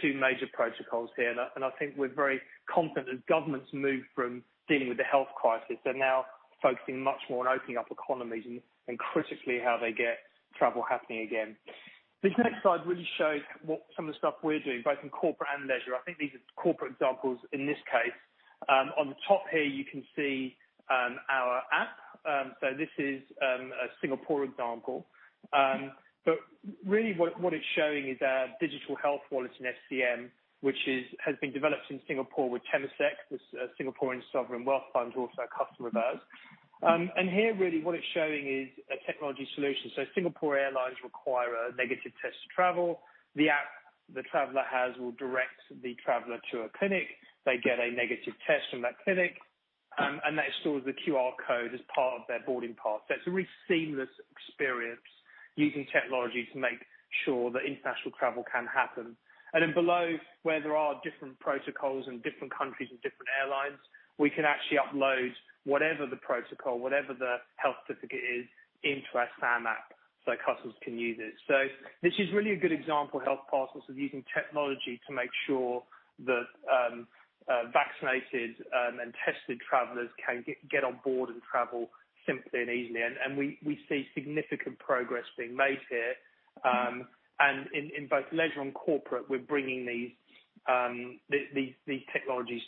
two major protocols here, and I think we're very confident as governments move from dealing with the health crisis, they're now focusing much more on opening up economies and critically how they get travel happening again. This next slide really shows some of the stuff we're doing, both in corporate and leisure. I think these are corporate examples in this case. On the top here, you can see our app. This is a Singapore example. Really what it's showing is our digital health wallet in FCM, which has been developed in Singapore with Temasek, the Singaporean sovereign wealth fund, who are also a customer of ours. Here, really what it's showing is a technology solution. Singapore Airlines require a negative test to travel. The app the traveler has will direct the traveler to a clinic. They get a negative test from that clinic. That stores the QR code as part of their boarding pass. It's a really seamless experience using technology to make sure that international travel can happen. Below where there are different protocols and different countries and different airlines, we can actually upload whatever the protocol, whatever the health certificate is into our SAM app so customers can use it. This is really a good example, health passports, of using technology to make sure that vaccinated and tested travelers can get on board and travel simply and easily. We see significant progress being made here. In both leisure and corporate, we're bringing these technologies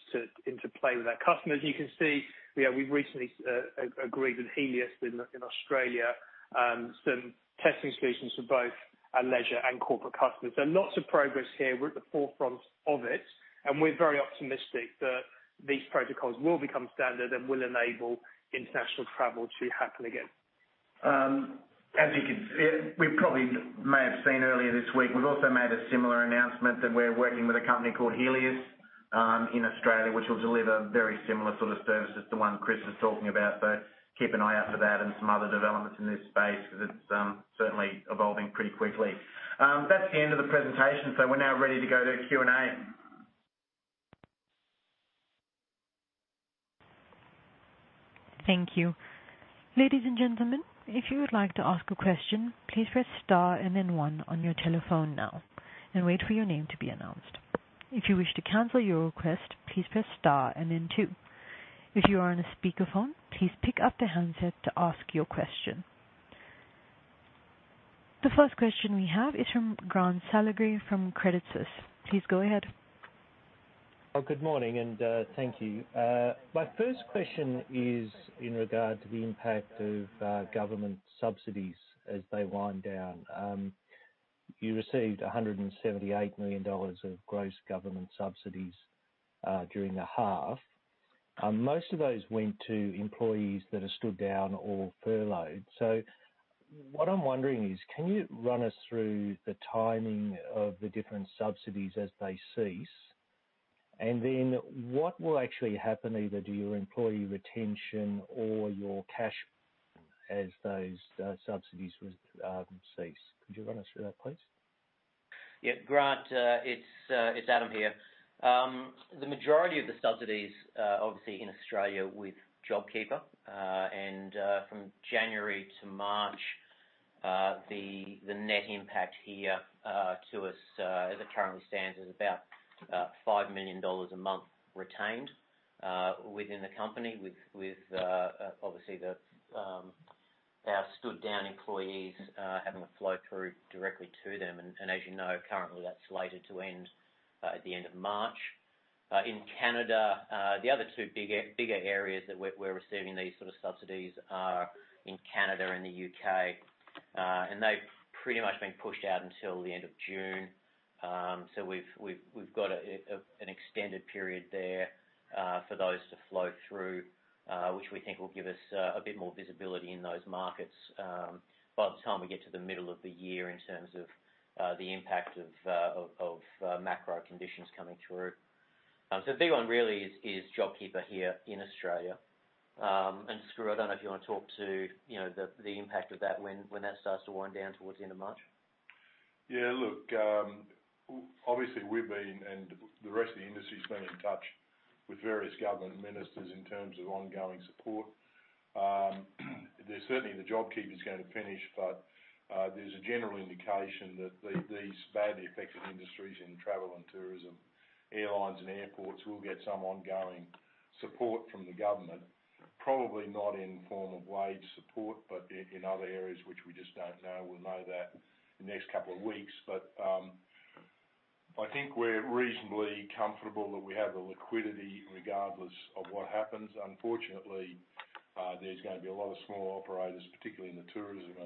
into play with our customers. You can see we recently agreed with Healius in Australia some testing solutions for both our leisure and corporate customers. Lots of progress here. We're at the forefront of it, and we're very optimistic that these protocols will become standard and will enable international travel to happen again. As you can see, we probably may have seen earlier this week, we've also made a similar announcement that we're working with a company called Healius in Australia, which will deliver very similar sort of services to the one Chris was talking about. Keep an eye out for that and some other developments in this space because it's certainly evolving pretty quickly. That's the end of the presentation. We're now ready to go to Q&A. Thank you. Ladies and gentlemen, if you would like to ask a question, please press star and then one on your telephone now, and wait for your name to be announce. If you wish to cancel your request, please press star and then two. If you're on a speaker phone, please pick up the handset to ask your question. The first question we have is from Grant Saligari from Credit Suisse. Please go ahead. Good morning and thank you. My first question is in regard to the impact of government subsidies as they wind down. You received 178 million dollars of gross government subsidies during the half. Most of those went to employees that are stood down or furloughed. What I'm wondering is, can you run us through the timing of the different subsidies as they cease? What will actually happen either to your employee retention or your cash as those subsidies cease? Could you run us through that, please? Yeah, Grant, it's Adam here. The majority of the subsidies, obviously in Australia with JobKeeper. From January to March, the net impact here to us, as it currently stands, is about 5 million dollars a month retained within the company with obviously our stood down employees having to flow through directly to them. As you know, currently that's slated to end at the end of March. In Canada, the other two bigger areas that we're receiving these sort of subsidies are in Canada and the U.K. They've pretty much been pushed out until the end of June. We've got an extended period there for those to flow through, which we think will give us a bit more visibility in those markets by the time we get to the middle of the year in terms of the impact of macro conditions coming through. The big one really is JobKeeper here in Australia. Skroo, I don't know if you want to talk to the impact of that when that starts to wind down towards the end of March. Look, obviously, we've been, and the rest of the industry's been in touch with various government ministers in terms of ongoing support. Certainly, the JobKeeper is going to finish, there's a general indication that these badly affected industries in travel and tourism, airlines and airports will get some ongoing support from the government. Probably not in form of wage support, but in other areas which we just don't know. We'll know that in the next couple of weeks. I think we're reasonably comfortable that we have the liquidity regardless of what happens. Unfortunately, there's going to be a lot of small operators, particularly in the tourism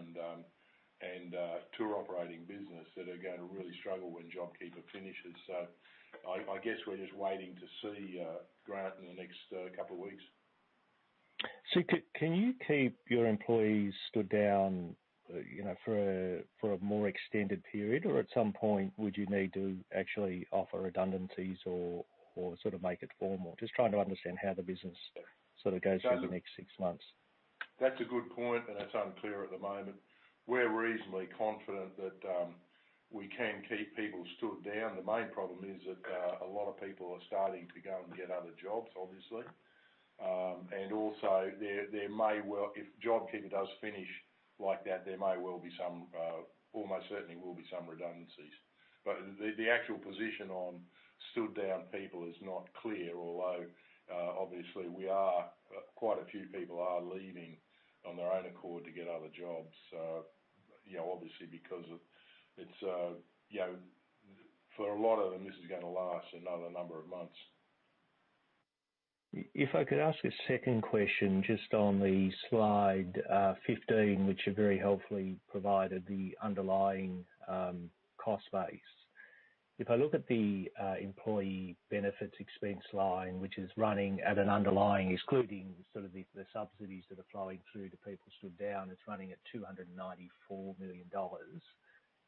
and tour operating business, that are going to really struggle when JobKeeper finishes. I guess we're just waiting to see, Grant, in the next couple of weeks. Can you keep your employees stood down for a more extended period, or at some point would you need to actually offer redundancies or make it formal? Just trying to understand how the business goes through the next six months. That's a good point. That's unclear at the moment. We're reasonably confident that we can keep people stood down. The main problem is that a lot of people are starting to go and get other jobs, obviously. Also, if JobKeeper does finish like that, there may well be some, almost certainly will be some redundancies. The actual position on stood down people is not clear, although obviously quite a few people are leaving on their own accord to get other jobs. Obviously because for a lot of them, this is going to last another number of months. If I could ask a second question, just on the slide 15, which very helpfully provided the underlying cost base. If I look at the employee benefits expense line, which is running at an underlying, excluding sort of the subsidies that are flowing through to people stood down, it's running at 294 million dollars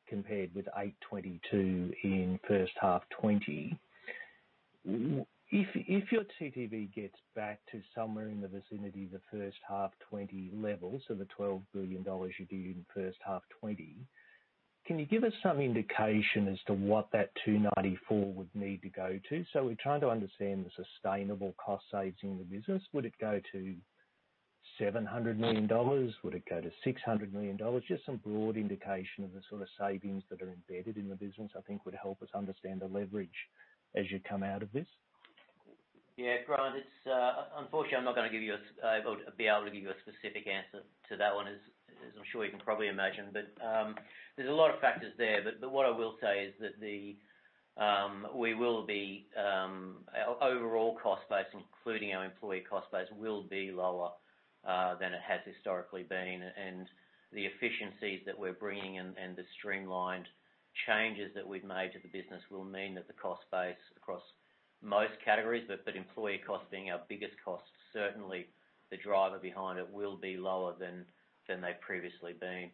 compared with 822 in first half 2020. If your TTV gets back to somewhere in the vicinity of the first half 2020 levels, so the 12 billion dollars you did in first half 2020, can you give us some indication as to what that 294 million would need to go to? We're trying to understand the sustainable cost savings in the business. Would it go to 700 million dollars? Would it go to 600 million dollars? Just some broad indication of the sort of savings that are embedded in the business, I think would help us understand the leverage as you come out of this. Yeah, Grant, unfortunately, I'm not going to be able to give you a specific answer to that one, as I'm sure you can probably imagine. There's a lot of factors there. What I will say is that our overall cost base, including our employee cost base, will be lower than it has historically been. The efficiencies that we're bringing and the streamlined changes that we've made to the business will mean that the cost base across most categories, but employee cost being our biggest cost, certainly the driver behind it will be lower than they've previously been.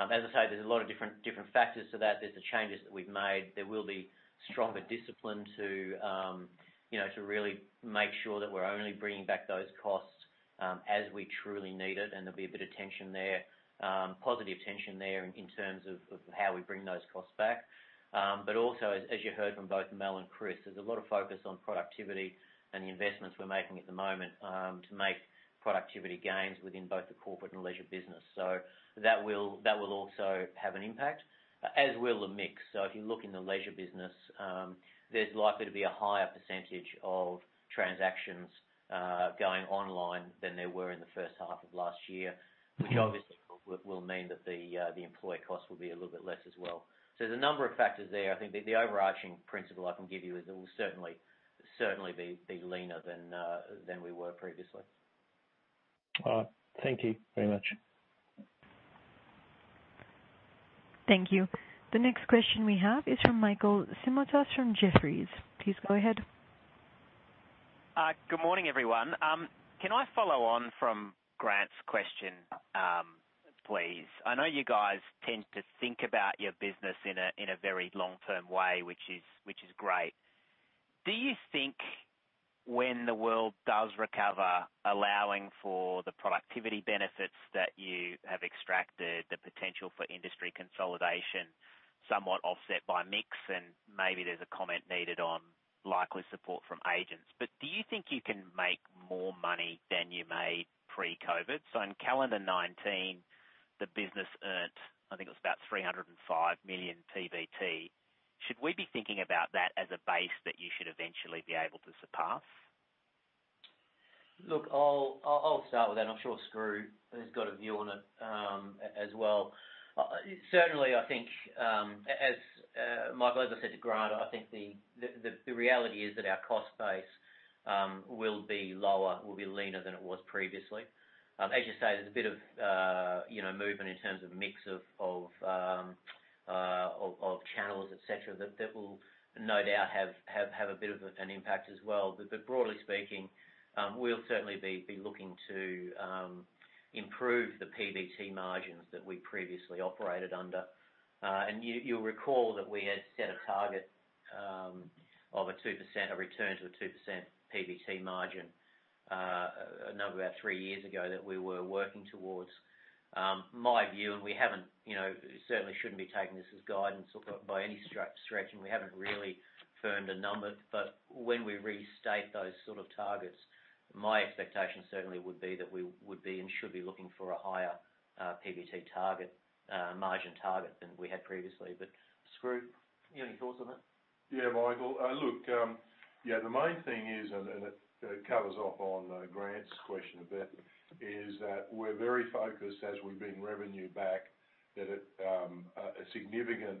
As I say, there's a lot of different factors to that. There's the changes that we've made. There will be stronger discipline to really make sure that we're only bringing back those costs as we truly need it, and there'll be a bit of tension there, positive tension there in terms of how we bring those costs back. Also, as you heard from both Mel and Chris, there's a lot of focus on productivity and the investments we're making at the moment to make productivity gains within both the corporate and leisure business. That will also have an impact, as will the mix. If you look in the leisure business, there's likely to be a higher percentage of transactions going online than there were in the first half of last year, which obviously will mean that the employee cost will be a little bit less as well. There's a number of factors there. I think the overarching principle I can give you is it will certainly be leaner than we were previously. All right. Thank you very much. Thank you. The next question we have is from Michael Simotas from Jefferies. Please go ahead. Good morning, everyone. Can I follow on from Grant's question, please? I know you guys tend to think about your business in a very long-term way, which is great. Do you think when the world does recover, allowing for the productivity benefits that you have extracted, the potential for industry consolidation, somewhat offset by mix, and maybe there's a comment needed on likely support from agents, but do you think you can make more money than you made pre-COVID? In calendar 2019, the business earned, I think it was about 305 million PBT. Should we be thinking about that as a base that you should eventually be able to surpass? Look, I'll start with that, and I'm sure Skroo has got a view on it as well. Certainly, I think, Michael, as I said to Grant, I think the reality is that our cost base will be lower, will be leaner than it was previously. As you say, there's a bit of movement in terms of mix of channels, et cetera, that will no doubt have a bit of an impact as well. Broadly speaking, we'll certainly be looking to improve the PBT margins that we previously operated under. You'll recall that we had set a target of a return to a 2% PBT margin, a number about three years ago that we were working towards. My view, and you certainly shouldn't be taking this as guidance by any stretch, and we haven't really firmed a number, but when we restate those sort of targets, my expectation certainly would be that we would be and should be looking for a higher PBT margin target than we had previously. Skroo, you have any thoughts on that? Michael. The main thing is, and it covers off on Grant's question a bit, is that we're very focused as we bring revenue back, that a significant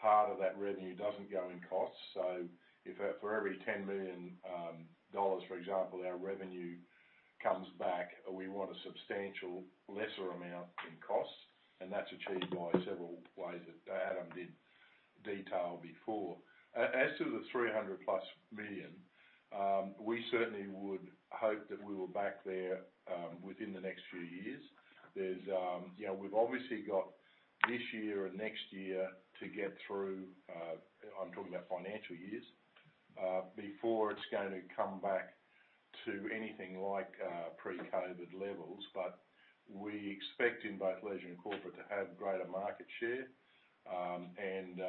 part of that revenue doesn't go in costs. If for every 10 million dollars, for example, our revenue comes back, we want a substantial lesser amount in costs, and that's achieved by several ways that Adam did detail before. As to the 300 million+, we certainly would hope that we were back there within the next few years. We've obviously got this year and next year to get through, I'm talking about financial years, before it's going to come back to anything like pre-COVID levels. We expect in both leisure and corporate to have greater market share, and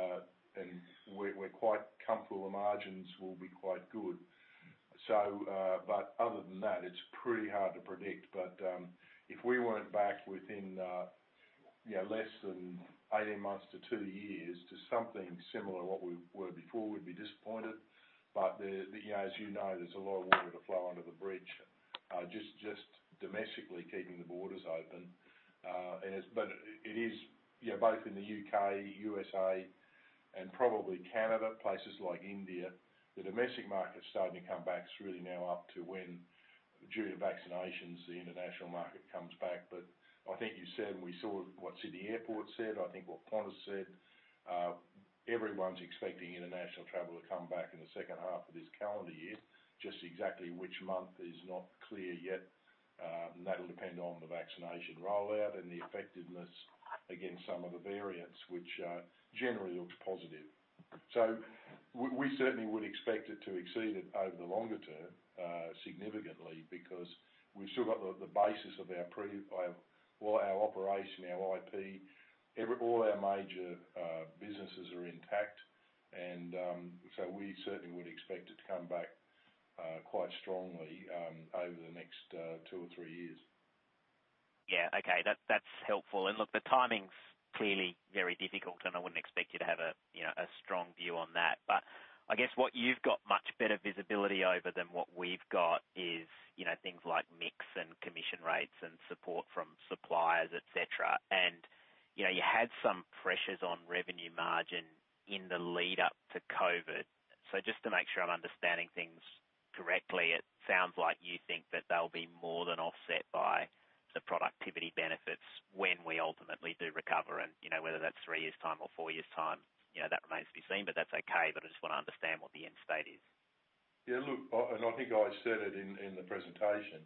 we're quite comfortable the margins will be quite good. Other than that, it's pretty hard to predict. If we weren't back within less than 18 months to two years to something similar to what we were before, we'd be disappointed. As you know, there's a lot of water to flow under the bridge, just domestically keeping the borders open. It is both in the U.K., U.S.A. and probably Canada, places like India, the domestic market starting to come back. It's really now up to when, due to vaccinations, the international market comes back. I think you said, and we saw what Sydney Airport said, I think what Qantas said, everyone's expecting international travel to come back in the second half of this calendar year. Just exactly which month is not clear yet. That'll depend on the vaccination rollout and the effectiveness against some of the variants, which generally looks positive. We certainly would expect it to exceed it over the longer term, significantly, because we've still got the basis of our operation, our IP. All our major businesses are intact. We certainly would expect it to come back quite strongly over the next two or three years. Yeah. Okay. That's helpful. Look, the timing's clearly very difficult, and I wouldn't expect you to have a strong view on that. I guess what you've got much better visibility over than what we've got is things like mix and commission rates and support from suppliers, et cetera. You had some pressures on revenue margin in the lead up to COVID. Just to make sure I'm understanding things correctly, it sounds like you think that they'll be more than offset by the productivity benefits when we ultimately do recover. Whether that's three years' time or four years' time, that remains to be seen, but that's okay. I just want to understand what the end state is. Look, I think I said it in the presentation.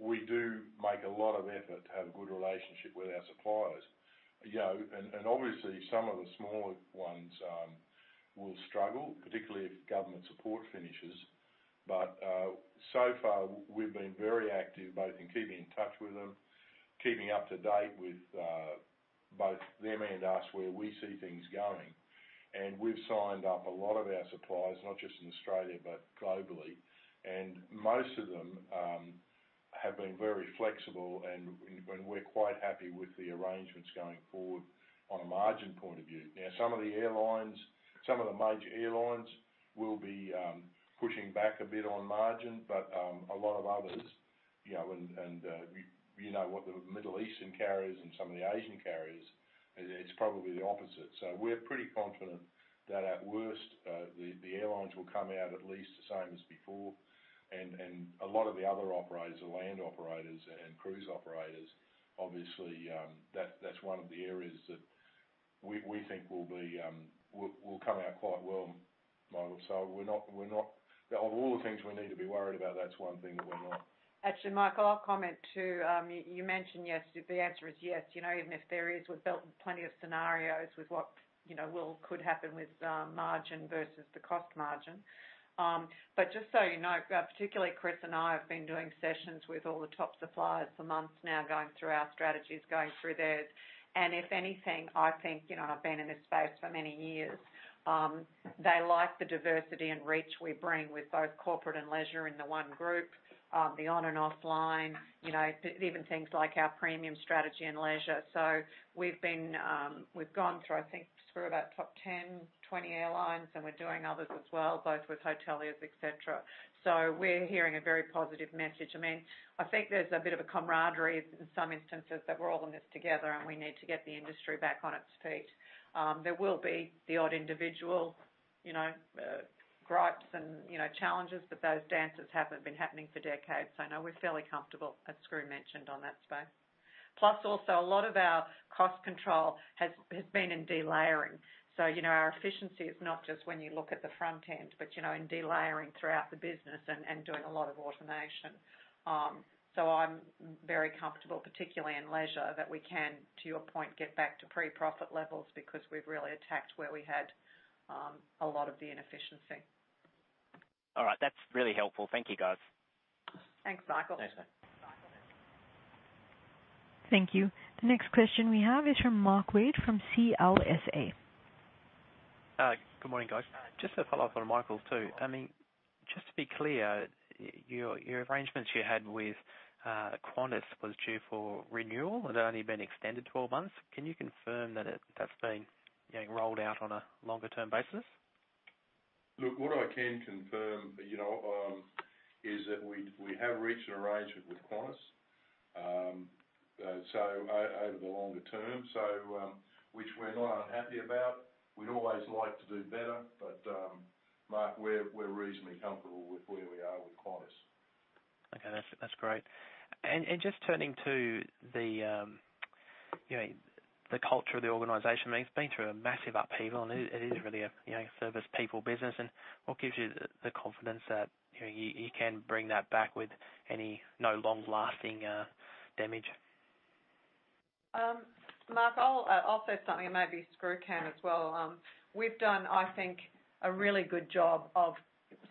We do make a lot of effort to have a good relationship with our suppliers. Obviously, some of the smaller ones will struggle, particularly if government support finishes. So far, we've been very active both in keeping in touch with them, keeping up to date with both them and us, where we see things going. We've signed up a lot of our suppliers, not just in Australia, but globally. Most of them have been very flexible and we're quite happy with the arrangements going forward on a margin point of view. Some of the major airlines will be pushing back a bit on margin. A lot of others, the Middle Eastern carriers and some of the Asian carriers, it's probably the opposite. We're pretty confident that at worst, the airlines will come out at least the same as before. A lot of the other operators, the land operators and cruise operators, obviously, that's one of the areas that we think will come out quite well, Michael. Of all the things we need to be worried about, that's one thing that we're not. Actually, Michael, I'll comment, too. You mentioned, yes, the answer is yes. Even if there is, we've built plenty of scenarios with what could happen with margin versus the cost margin. Just so you know, particularly Chris and I have been doing sessions with all the top suppliers for months now, going through our strategies, going through theirs. If anything, I think, and I've been in this space for many years, they like the diversity and reach we bring with both Corporate and Leisure in the one group, the on and offline. Even things like our premium strategy and leisure. We've gone through, I think, Skroo about top 10, 20 airlines, and we're doing others as well, both with hoteliers, et cetera. We're hearing a very positive message. I think there's a bit of a camaraderie in some instances that we're all in this together, and we need to get the industry back on its feet. There will be the odd individual gripes and challenges, but those dances have been happening for decades. No, we're fairly comfortable, as Skroo mentioned, on that space. Also, a lot of our cost control has been in delayering. Our efficiency is not just when you look at the front end, but in delayering throughout the business and doing a lot of automation. I'm very comfortable, particularly in leisure, that we can, to your point, get back to pre-profit levels because we've really attacked where we had a lot of the inefficiency. All right. That's really helpful. Thank you, guys. Thanks, Michael. Thanks, Mel. Bye. Thank you. The next question we have is from Mark Wade from CLSA. Good morning, guys. Just to follow up on Michael's too. Just to be clear, your arrangements you had with Qantas was due for renewal. It had only been extended 12 months. Can you confirm that that's been getting rolled out on a longer-term basis? Look, what I can confirm is that we have reached an arrangement with Qantas over the longer term. Which we're not unhappy about. We'd always like to do better. Mark, we're reasonably comfortable with where we are with Qantas. Okay. That's great. Just turning to the culture of the organization. It's been through a massive upheaval, and it is really a service people business. What gives you the confidence that you can bring that back with no long-lasting damage? Mark, I'll say something and maybe Skroo can as well. We've done, I think, a really good job of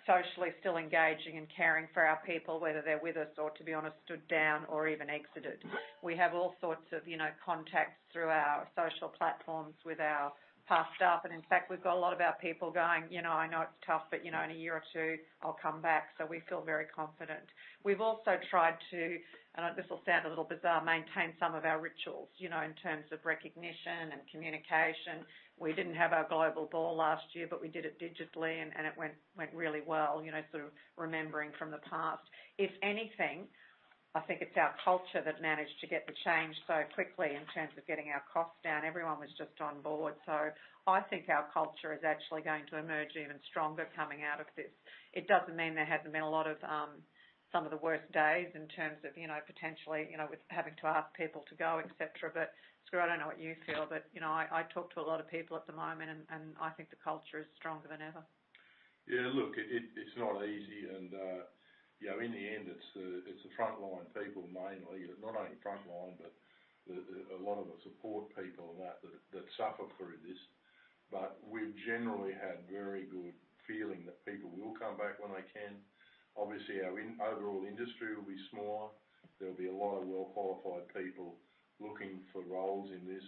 socially still engaging and caring for our people, whether they're with us or, to be honest, stood down or even exited. We have all sorts of contacts through our social platforms with our past staff. In fact, we've got a lot of our people going, "I know it's tough, but in a year or two I'll come back." We feel very confident. We've also tried to, and this will sound a little bizarre, maintain some of our rituals in terms of recognition and communication. We didn't have our global ball last year, but we did it digitally, and it went really well, sort of remembering from the past. If anything, I think it's our culture that managed to get the change so quickly in terms of getting our costs down. Everyone was just on board. I think our culture is actually going to emerge even stronger coming out of this. It doesn't mean there hasn't been some of the worst days in terms of potentially with having to ask people to go, etc. Skroo, I don't know what you feel, but I talk to a lot of people at the moment, and I think the culture is stronger than ever. Yeah, look, it's not easy. In the end it's the frontline people mainly. Not only frontline, but a lot of the support people and that suffer through this. We've generally had very good feeling that people will come back when they can. Obviously, our overall industry will be smaller. There will be a lot of well-qualified people looking for roles in this.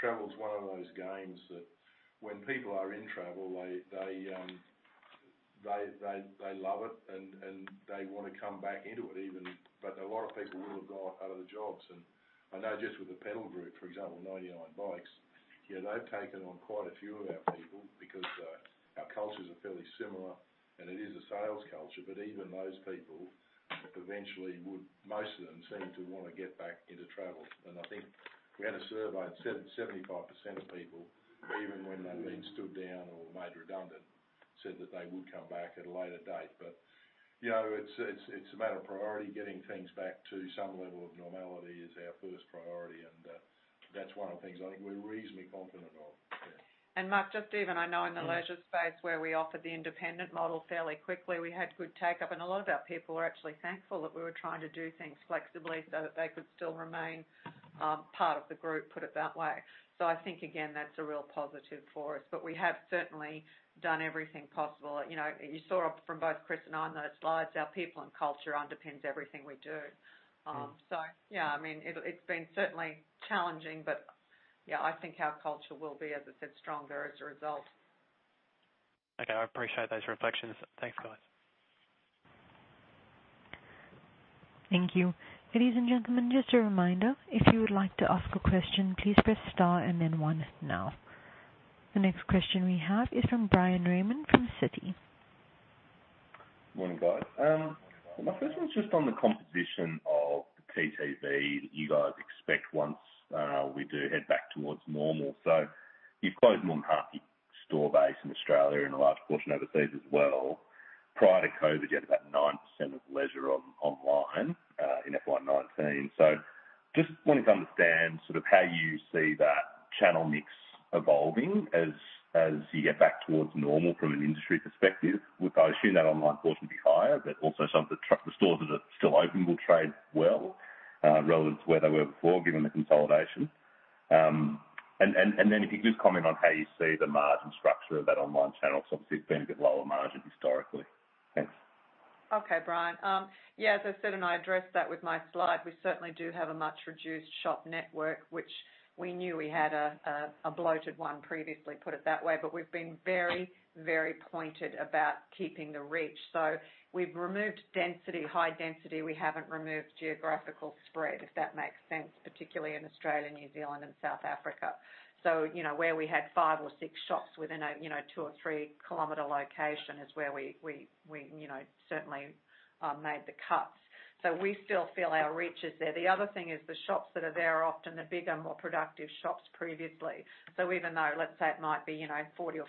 Travel is one of those games that when people are in travel, they love it, and they want to come back into it even. A lot of people will have got other jobs. I know just with the Pedal Group, for example, 99 Bikes, they've taken on quite a few of our people because our cultures are fairly similar, and it is a sales culture. Even those people eventually, most of them seem to want to get back into travel. I think we had a survey, and 75% of people, even when they've been stood down or made redundant, said that they would come back at a later date. It's a matter of priority. Getting things back to some level of normality is our first priority, and that's one of the things I think we're reasonably confident of. Yeah. Mark, just even I know in the leisure space where we offer the independent model fairly quickly, we had good take-up. A lot of our people were actually thankful that we were trying to do things flexibly so that they could still remain part of the group, put it that way. I think, again, that's a real positive for us. We have certainly done everything possible. You saw from both Chris and I on those slides, our people and culture underpins everything we do. It's been certainly challenging, I think our culture will be, as I said, stronger as a result. Okay. I appreciate those reflections. Thanks, guys. Thank you. Ladies and gentlemen, just a reminder, if you would like to ask a question, please press star and then one now. The next question we have is from Bryan Raymond from Citi. Morning, guys. My first one's just on the composition of TTV that you guys expect once we do head back towards normal. You've closed more than half your store base in Australia and a large portion overseas as well. Prior to COVID, you had about 9% of leisure online in FY 2019. Just wanting to understand how you see that channel mix evolving as you get back towards normal from an industry perspective. I assume that online portion will be higher, but also some of the stores that are still open will trade well relative to where they were before, given the consolidation. If you could just comment on how you see the margin structure of that online channel. It's obviously been a bit lower margin historically. Thanks. Okay, Bryan. Yeah, as I said, and I addressed that with my slide, we certainly do have a much-reduced shop network. Which we knew we had a bloated one previously, put it that way, but we've been very pointed about keeping the reach. We've removed high density. We haven't removed geographical spread, if that makes sense, particularly in Australia, New Zealand, and South Africa. Where we had five or six shops within a 2 km or 3 km location is where we certainly made the cuts. We still feel our reach is there. The other thing is the shops that are there are often the bigger, more productive shops previously. Even though, let's say it might be 40% or 50%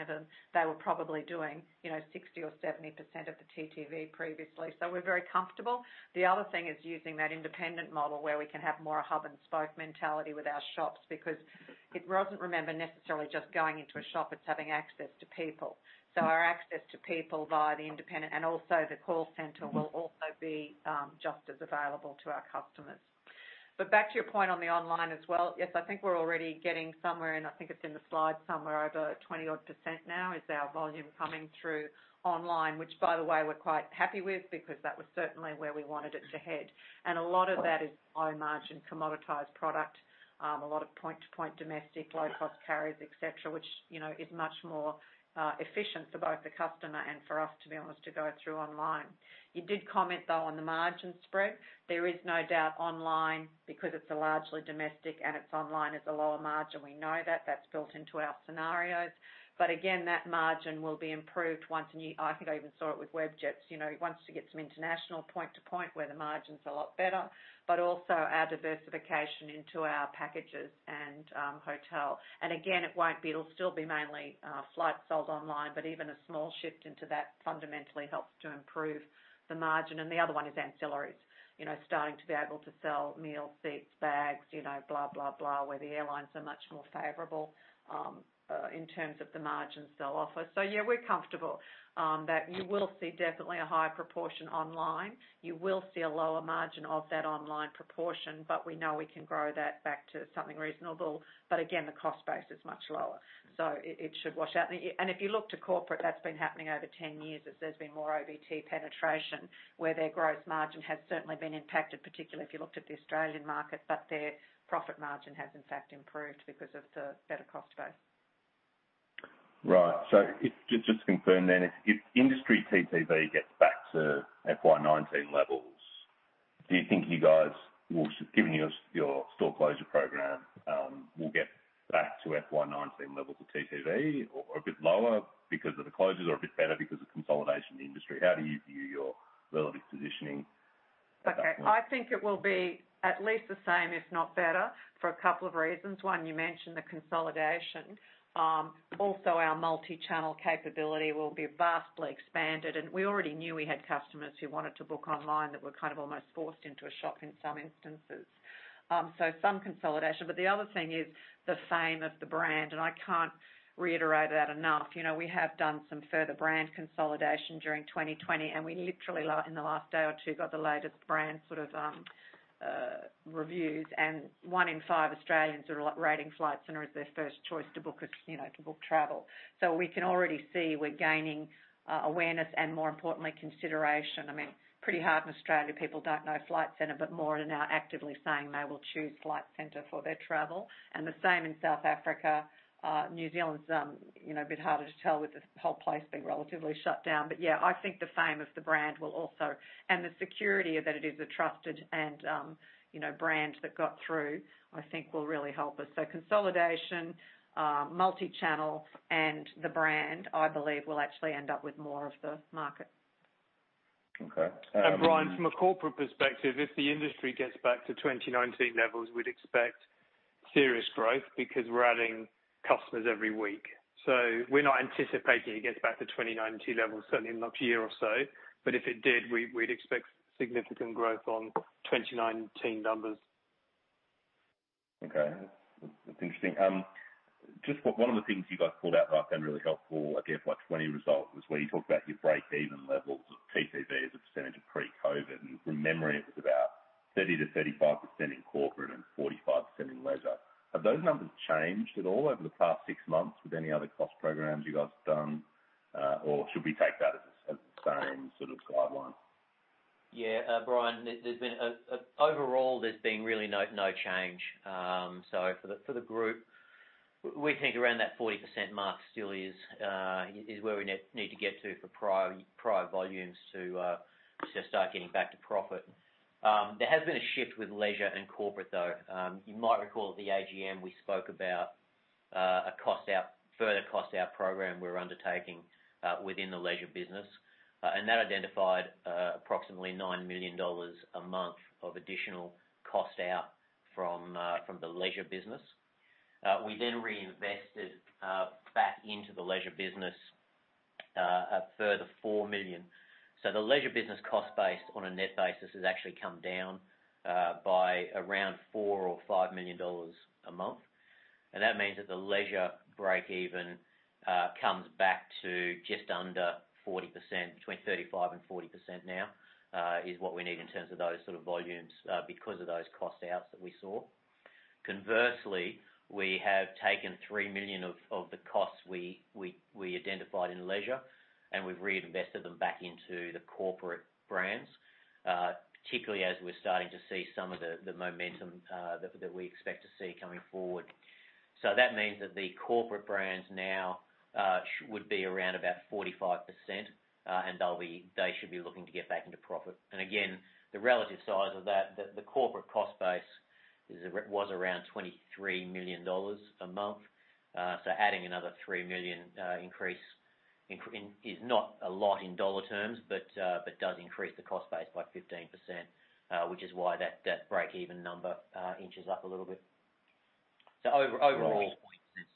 of them, they were probably doing 60% or 70% of the TTV previously. We're very comfortable. The other thing is using that independent model where we can have more hub-and-spoke mentality with our shops because it wasn't, remember, necessarily just going into a shop, it's having access to people. Our access to people via the independent and also the call center will also be just as available to our customers. Back to your point on the online as well. Yes, I think we're already getting somewhere in, I think it's in the slide somewhere, over 20%-odd now is our volume coming through online. Which by the way, we're quite happy with because that was certainly where we wanted it to head. A lot of that is low margin commoditized product. A lot of point-to-point domestic low-cost carriers, et cetera, which is much more efficient for both the customer and for us, to be honest, to go through online. You did comment, though, on the margin spread. There is no doubt online, because it's largely domestic and it's online, is a lower margin. We know that. That's built into our scenarios. Again, that margin will be improved once, and I think I even saw it with Webjet's, once you get some international point to point where the margin's a lot better, but also our diversification into our packages and hotel. Again, it'll still be mainly flights sold online, but even a small shift into that fundamentally helps to improve the margin. The other one is ancillaries. Starting to be able to sell meals, seats, bags, blah, blah, where the airlines are much more favorable in terms of the margins they'll offer. Yeah, we're comfortable that you will see definitely a higher proportion online. You will see a lower margin of that online proportion, we know we can grow that back to something reasonable. Again, the cost base is much lower, it should wash out. If you look to corporate, that's been happening over 10 years as there's been more OBT penetration where their gross margin has certainly been impacted, particularly if you looked at the Australian market. Their profit margin has in fact improved because of the better cost base. Just to confirm then, if industry TTV gets back to FY 2019 levels, do you think you guys will, given your store closure program, will get back to FY 2019 levels of TTV or a bit lower because of the closures or a bit better because of consolidation in the industry? How do you view your relative positioning at that point? I think it will be at least the same, if not better, for a couple of reasons. You mentioned the consolidation. Our multi-channel capability will be vastly expanded, we already knew we had customers who wanted to book online that were almost forced into a shop in some instances. Some consolidation. The other thing is the fame of the brand, I can't reiterate that enough. We have done some further brand consolidation during 2020, we literally in the last day or two got the latest brand reviews, one in five Australians are rating Flight Centre as their first choice to book travel. We can already see we're gaining awareness and more importantly, consideration. Pretty hard in Australia people don't know Flight Centre, more are now actively saying they will choose Flight Centre for their travel. The same in South Africa. New Zealand's a bit harder to tell with the whole place being relatively shut down. Yeah, I think the fame of the brand will also, and the security that it is a trusted brand that got through, I think will really help us. Consolidation, multi-channel, and the brand, I believe we'll actually end up with more of the market. Okay. Bryan, from a corporate perspective, if the industry gets back to 2019 levels, we'd expect serious growth because we're adding customers every week. We're not anticipating it gets back to 2019 levels, certainly in the next year or so. If it did, we'd expect significant growth on 2019 numbers. Okay. That's interesting. Just one of the things you guys pulled out that I found really helpful, I guess, by 2020 results was where you talked about your break-even levels of TTV as a percentage of pre-COVID. From memory, it was about 30%-35% in corporate and 45% in leisure. Have those numbers changed at all over the past six months with any other cost programs you guys have done? Should we take that as the same sort of guideline? Bryan, overall there's been really no change. For the group, we think around that 40% mark still is where we need to get to for prior volumes to start getting back to profit. There has been a shift with leisure and corporate, though. You might recall at the AGM, we spoke about a further cost out program we're undertaking within the leisure business. That identified approximately 9 million dollars a month of additional cost out from the leisure business. We reinvested back into the leisure business a further 4 million. The leisure business cost base on a net basis has actually come down by around 4 million or 5 million dollars a month. That means that the leisure break-even comes back to just under 40%, between 35% and 40% now is what we need in terms of those sort of volumes because of those cost outs that we saw. Conversely, we have taken 3 million of the costs we identified in leisure, and we've reinvested them back into the corporate brands, particularly as we're starting to see some of the momentum that we expect to see coming forward. That means that the corporate brands now would be around about 45%, and they should be looking to get back into profit. Again, the relative size of that, the corporate cost base was around 23 million dollars a month. Adding another 3 million increase is not a lot in dollar terms, but does increase the cost base by 15%, which is why that break-even number inches up a little bit. So overall. Right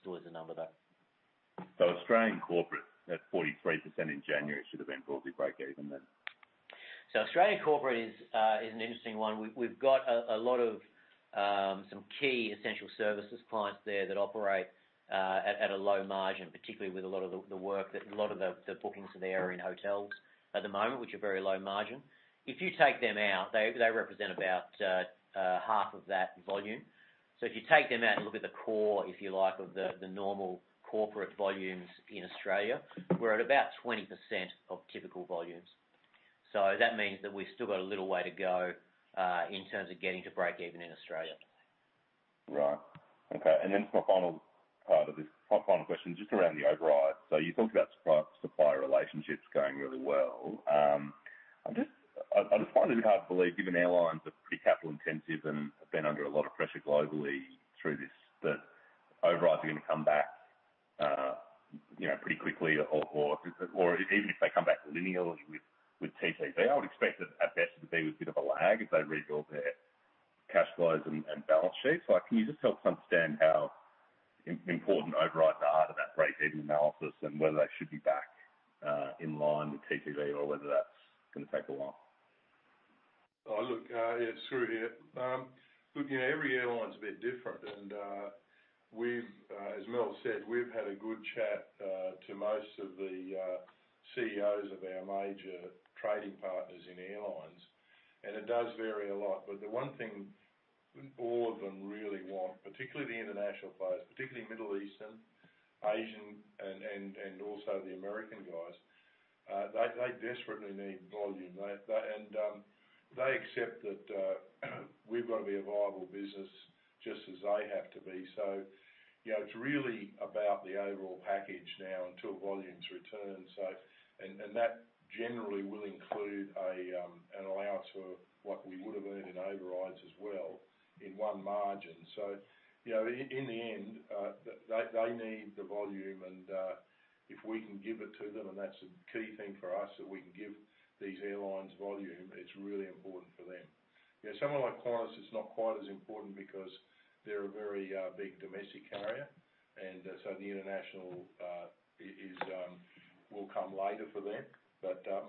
Still is a number, though. Australian corporate at 43% in January should have been broadly break-even then? Australian corporate is an interesting one. We've got some key essential services clients there that operate at a low margin, particularly with a lot of the bookings there are in hotels at the moment, which are very low margin. If you take them out, they represent about half of that volume. If you take them out and look at the core, if you like, of the normal corporate volumes in Australia, we're at about 20% of typical volumes. That means that we've still got a little way to go in terms of getting to break-even in Australia. Right. Okay. For my final question, just around the overrides. You talked about supplier relationships going really well. I just find it hard to believe, given airlines are pretty capital intensive and have been under a lot of pressure globally through this, that overrides are going to come back pretty quickly. Even if they come back linearly with TTV, I would expect that at best there would be a bit of a lag as they rebuild their cash flows and balance sheets. Can you just help understand how important overrides are to that break-even analysis and whether they should be back in line with TTV or whether that's going to take a while? Yeah, it's Skroo here. Every airline is a bit different. As Mel said, we've had a good chat to most of the CEOs of our major trading partners in airlines, and it does vary a lot. The one thing all of them really want, particularly the international players, particularly Middle Eastern, Asian, and also the American guys they desperately need volume. They accept that we've got to be a viable business just as they have to be. It's really about the overall package now until volumes return. That generally will include an allowance for what we would have earned in overrides as well in one margin. In the end, they need the volume, and if we can give it to them, and that's a key thing for us, that we can give these airlines volume, it's really important for them. Someone like Qantas is not quite as important because they're a very big domestic carrier, and so the international will come later for them.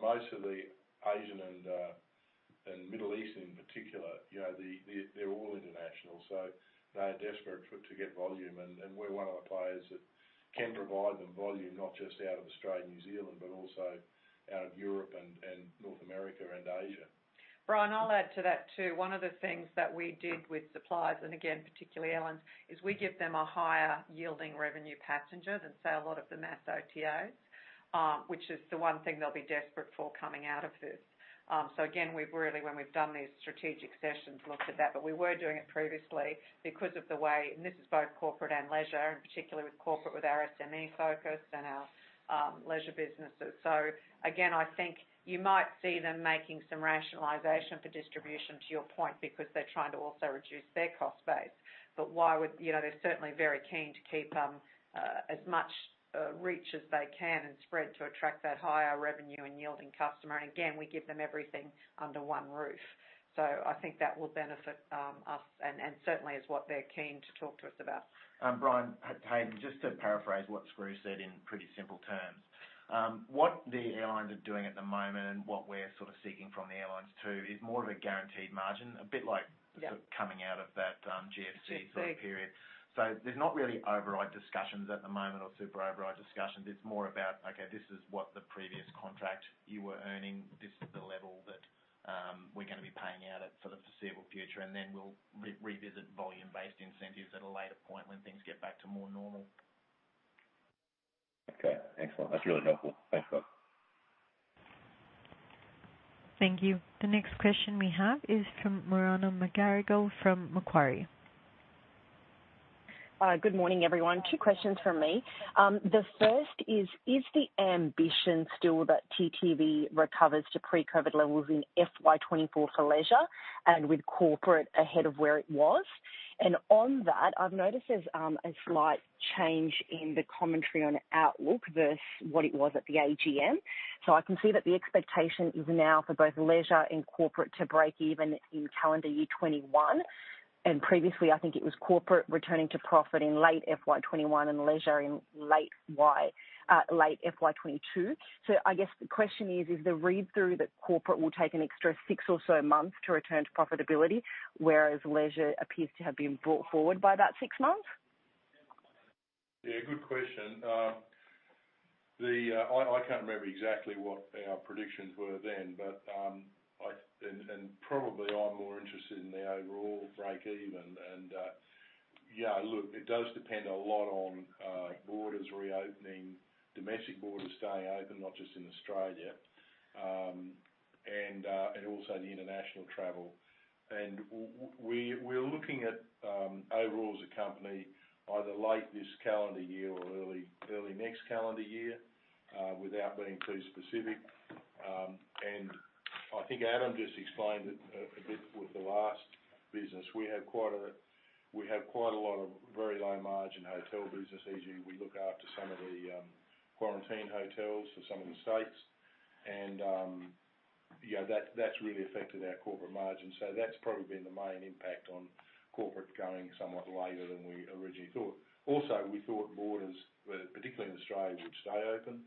Most of the Asian and Middle Eastern in particular, they're all international, so they are desperate to get volume. We're one of the players that can provide them volume, not just out of Australia and New Zealand, but also out of Europe and North America and Asia. Bryan, I'll add to that, too. One of the things that we did with suppliers, and again, particularly airlines, is we give them a higher yielding revenue passenger than say, a lot of the mass OTAs. Which is the one thing they'll be desperate for coming out of this. Again, we've really, when we've done these strategic sessions, looked at that. But we were doing it previously. This is both corporate and leisure, and particularly with corporate, with our SME focus and our leisure businesses. Again, I think you might see them making some rationalization for distribution, to your point, because they're trying to also reduce their cost base. They're certainly very keen to keep as much reach as they can and spread to attract that higher revenue and yielding customer. Again, we give them everything under one roof. I think that will benefit us, and certainly is what they're keen to talk to us about. Bryan, Haydn, just to paraphrase what Skroo said in pretty simple terms. What the airlines are doing at the moment and what we're sort of seeking from the airlines too, is more of a guaranteed margin. A bit like. Yeah. Coming out of that GFC. GFC. Sort of period. There's not really override discussions at the moment or super override discussions. It's more about, okay, this is what the previous contract you were earning, this is the level that we're going to be paying out at for the foreseeable future, and then we'll revisit volume-based incentives at a later point when things get back to more normal. Okay. Excellent. That's really helpful. Thanks, guys. Thank you. The next question we have is from Morana McGarrigle from Macquarie. Good morning, everyone. Two questions from me. The first is the ambition still that TTV recovers to pre-COVID levels in FY 2024 for leisure and with corporate ahead of where it was? On that, I've noticed there's a slight change in the commentary on outlook versus what it was at the AGM. I can see that the expectation is now for both leisure and corporate to break even in calendar year 2021. Previously, I think it was corporate returning to profit in late FY 2021 and leisure in late FY 2022. I guess the question is the read-through that corporate will take an extra six or so months to return to profitability, whereas leisure appears to have been brought forward by about six months? Yeah, good question. I can't remember exactly what our predictions were then, and probably I'm more interested in the overall break even. Yeah, look, it does depend a lot on borders reopening, domestic borders staying open, not just in Australia, and also the international travel. We're looking at overall as a company either late this calendar year or early next calendar year, without being too specific. I think Adam just explained it a bit with the last business. We have quite a lot of very low-margin hotel business. Usually, we look after some of the quarantine hotels for some of the states, and that's really affected our corporate margins. That's probably been the main impact on corporate going somewhat later than we originally thought. Also, we thought borders, particularly in Australia, would stay open.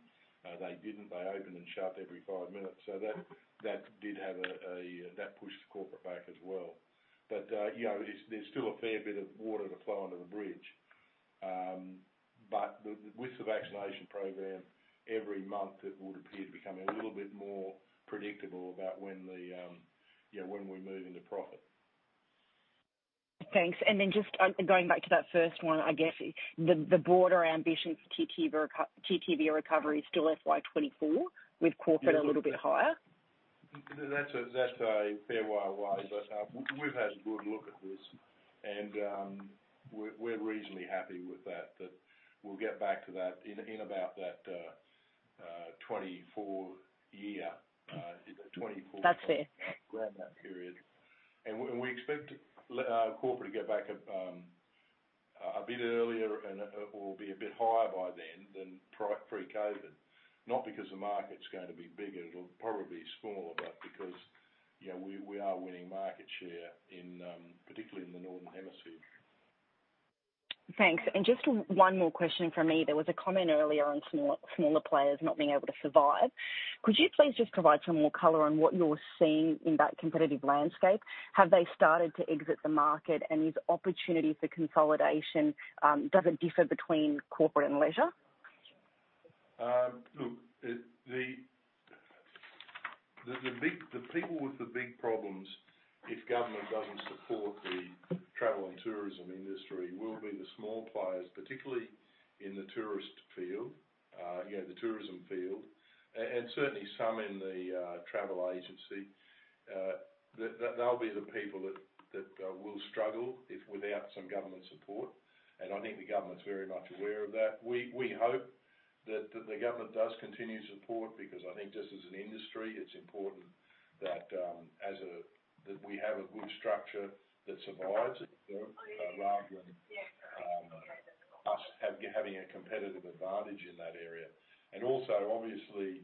They didn't. They opened and shut every five minutes. That pushed corporate back as well. There's still a fair bit of water to flow under the bridge. With the vaccination program, every month it would appear to become a little bit more predictable about when we move into profit. Thanks. Just going back to that first one, I guess the broader ambition for TTV recovery is still FY 2024 with corporate a little bit higher? That's a fair way. We've had a good look at this, and we're reasonably happy with that we'll get back to that in about that 2024 year. That's fair. Around that period. We expect corporate to get back a bit earlier and/or be a bit higher by then than pre-COVID. Not because the market's going to be bigger, it'll probably be smaller, but because we are winning market share, particularly in the Northern Hemisphere. Thanks. Just one more question from me. There was a comment earlier on smaller players not being able to survive. Could you please just provide some more color on what you're seeing in that competitive landscape? Have they started to exit the market, and does opportunity for consolidation differ between corporate and leisure? Look, the people with the big problems, if government doesn't support the travel and tourism industry, will be the small players, particularly in the tourist field, the tourism field, and certainly some in the travel agency. They'll be the people that will struggle without some government support, and I think the government's very much aware of that. We hope that the government does continue support because I think just as an industry, it's important that we have a good structure that survives rather than us having a competitive advantage in that area. Also, obviously,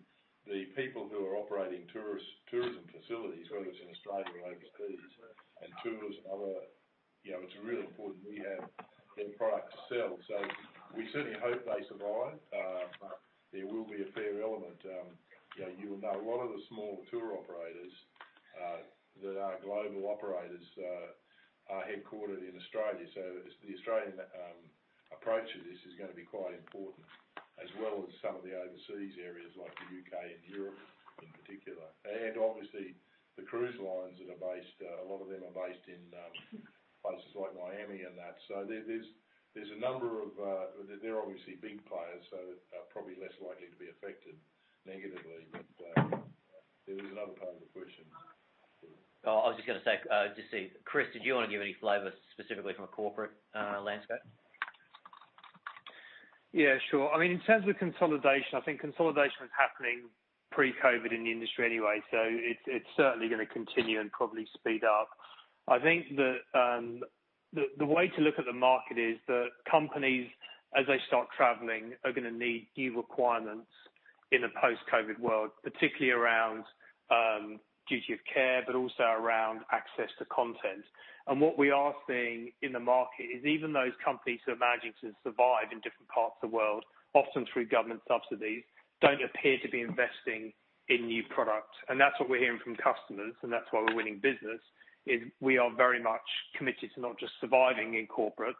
the people who are operating tourism facilities, whether it's in Australia or overseas, and tours and other, it's really important we have their product to sell. We certainly hope they survive. There will be a fair element. You will know a lot of the smaller tour operators that are global operators are headquartered in Australia. The Australian approach to this is going to be quite important, as well as some of the overseas areas like the U.K. and Europe in particular. Obviously, the cruise lines that are based, a lot of them are based in places like Miami and that. There's a number of, they're obviously big players, so are probably less likely to be affected negatively. There was another part of the question. Oh, I was just going to say, Chris, did you want to give any flavor specifically from a corporate landscape? Yeah, sure. In terms of consolidation, I think consolidation was happening pre-COVID in the industry anyway, so it's certainly going to continue and probably speed up. I think that the way to look at the market is that companies, as they start traveling, are going to need new requirements in a post-COVID world, particularly around duty of care, but also around access to content. What we are seeing in the market is even those companies who are managing to survive in different parts of the world, often through government subsidies, don't appear to be investing in new product. That's what we're hearing from customers, and that's why we're winning business, is we are very much committed to not just surviving in corporate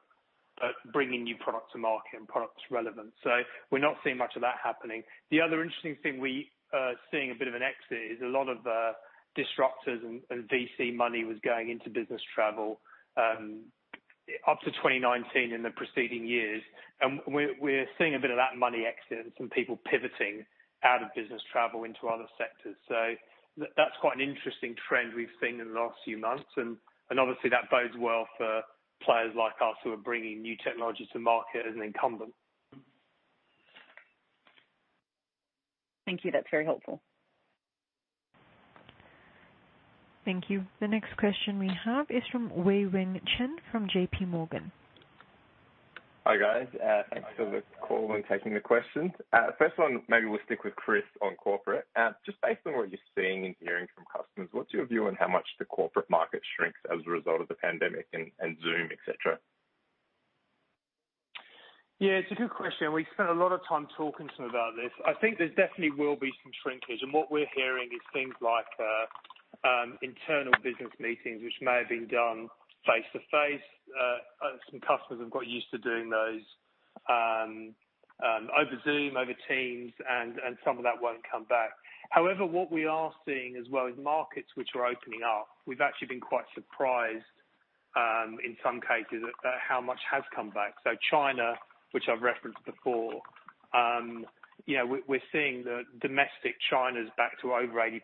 but bringing new product to market and products relevant. We're not seeing much of that happening. The other interesting thing we are seeing a bit of an exit is a lot of the disruptors and VC money was going into business travel up to 2019 in the preceding years. We're seeing a bit of that money exiting, some people pivoting out of business travel into other sectors. That's quite an interesting trend we've seen in the last few months. Obviously, that bodes well for players like us who are bringing new technology to market as an incumbent. Thank you. That's very helpful. Thank you. The next question we have is from Weiheng Chen from JPMorgan. Hi, guys. Thanks for the call and taking the questions. First one, maybe we'll stick with Chris on corporate. Just based on what you're seeing and hearing from customers, what's your view on how much the corporate market shrinks as a result of the pandemic and Zoom, et cetera? Yeah, it's a good question. We've spent a lot of time talking to them about this. I think there definitely will be some shrinkage. What we're hearing is things like internal business meetings, which may have been done face-to-face. Some customers have got used to doing those over Zoom, over Teams, and some of that won't come back. However, what we are seeing as well is markets which are opening up. We've actually been quite surprised, in some cases, at how much has come back. China, which I've referenced before, we're seeing that domestic China's back to over 80%.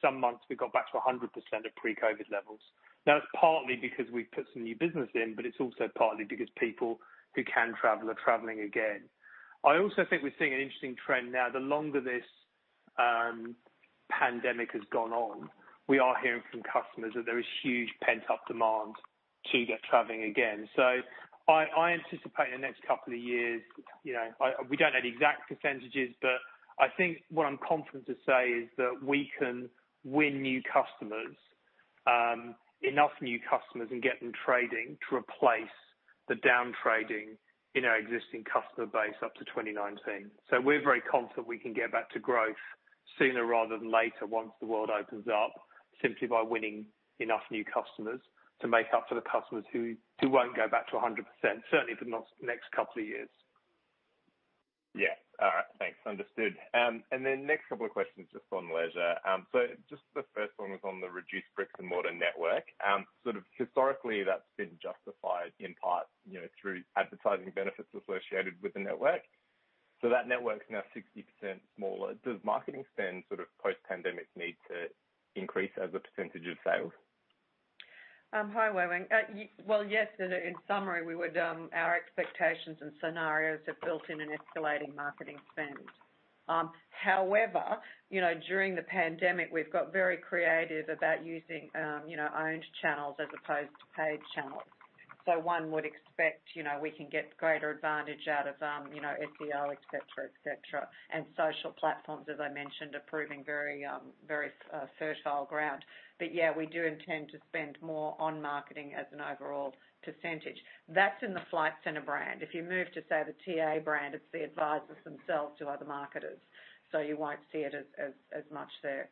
Some months we got back to 100% of pre-COVID-19 levels. It's partly because we put some new business in, but it's also partly because people who can travel are traveling again. I also think we're seeing an interesting trend now. The longer this pandemic has gone on, we are hearing from customers that there is huge pent-up demand to get traveling again. I anticipate in the next couple of years, we don't have the exact percentages, but I think what I'm confident to say is that we can win new customers, enough new customers, and get them trading to replace the down-trading in our existing customer base up to 2019. We're very confident we can get back to growth sooner rather than later once the world opens up, simply by winning enough new customers to make up for the customers who won't go back to 100%, certainly for the next couple of years. Yeah. All right. Thanks. Understood. Next couple of questions just on leisure. The first one was on the reduced bricks-and-mortar network. Sort of historically, that's been justified in part through advertising benefits associated with the network. That network's now 60% smaller. Does marketing spend sort of post-pandemic need to increase as a percentage of sales? Hi, Weiheng. Well, yes, in summary, our expectations and scenarios have built in an escalating marketing spend. However, during the pandemic, we've got very creative about using owned channels as opposed to paid channels. One would expect we can get greater advantage out of SEO, et cetera. Social platforms, as I mentioned, are proving very fertile ground. Yeah, we do intend to spend more on marketing as an overall percentage. That's in the Flight Centre brand. If you move to, say, the TA brand, it's the advisors themselves who are the marketers, so you won't see it as much there.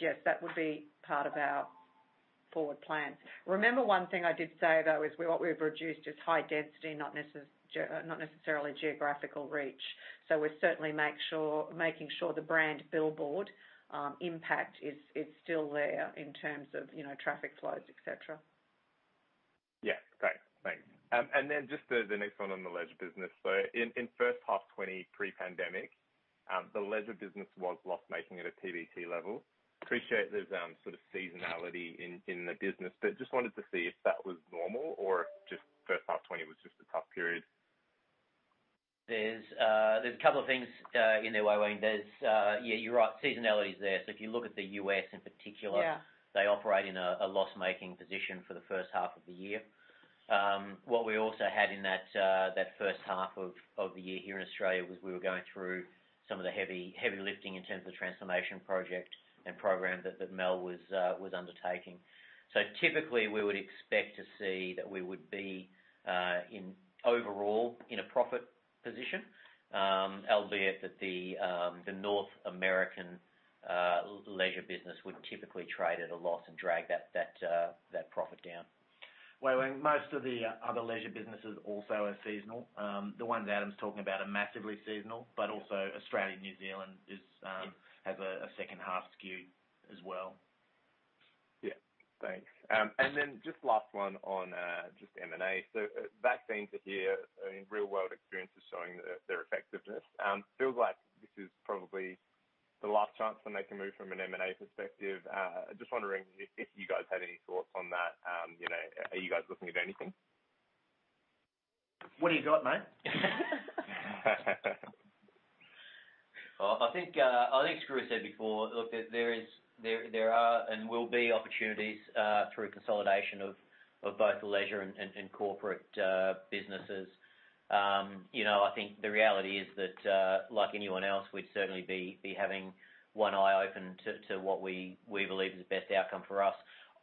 Yes, that would be part of our forward plans. Remember one thing I did say, though, is what we've reduced is high density, not necessarily geographical reach. We're certainly making sure the brand billboard impact is still there in terms of traffic flows, et cetera. Yeah. Great. Thanks. Just the next one on the leisure business. In first half 2020, pre-pandemic, the leisure business was loss-making at a PBT level. Appreciate there's sort of seasonality in the business, just wanted to see if that was normal or if just first half 2020 was just a tough period. There's a couple of things in there, Weiheng. Yeah, you're right. Seasonality is there. If you look at the U.S. in particular. Yeah They operate in a loss-making position for the first half of the year. What we also had in that first half of the year here in Australia was we were going through some of the heavy lifting in terms of transformation project and program that Mel was undertaking. Typically, we would expect to see that we would be overall in a profit position, albeit that the North American leisure business would typically trade at a loss and drag that profit down. Weiheng, most of the other leisure businesses also are seasonal. The ones Adam's talking about are massively seasonal, but also Australia and New Zealand has a second half skew as well. Yeah. Thanks. Just last one on just M&A. Vaccines are here and real-world experience is showing their effectiveness. Feels like this is probably the last chance to make a move from an M&A perspective. Just wondering if you guys had any thoughts on that. Are you guys looking at anything? What have you got, mate? I think Skroo said before, look, there are and will be opportunities through consolidation of both the leisure and corporate businesses. I think the reality is that, like anyone else, we'd certainly be having one eye open to what we believe is the best outcome for us.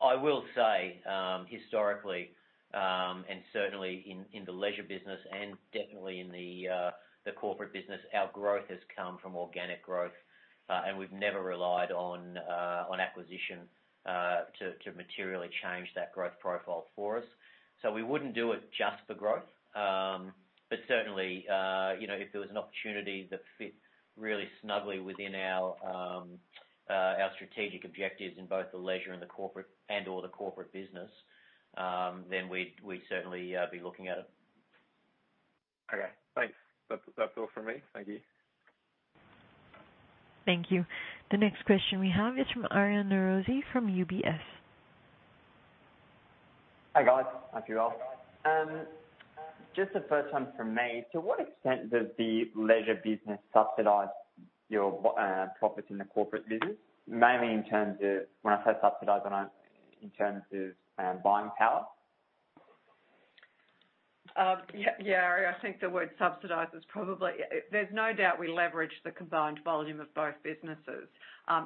I will say historically, and certainly in the leisure business and definitely in the corporate business, our growth has come from organic growth, and we've never relied on acquisition to materially change that growth profile for us. We wouldn't do it just for growth. Certainly, if there was an opportunity that fit really snugly within our strategic objectives in both the leisure and/or the corporate business, then we'd certainly be looking at it. Okay, thanks. That's all from me. Thank you. Thank you. The next question we have is from Aryan Norozi from UBS. Hi, guys. Hope you're well. Just the first one from me. To what extent does the leisure business subsidize your profits in the corporate business? Mainly in terms of, when I say subsidize, in terms of buying power. Yeah, Aryan. There's no doubt we leverage the combined volume of both businesses.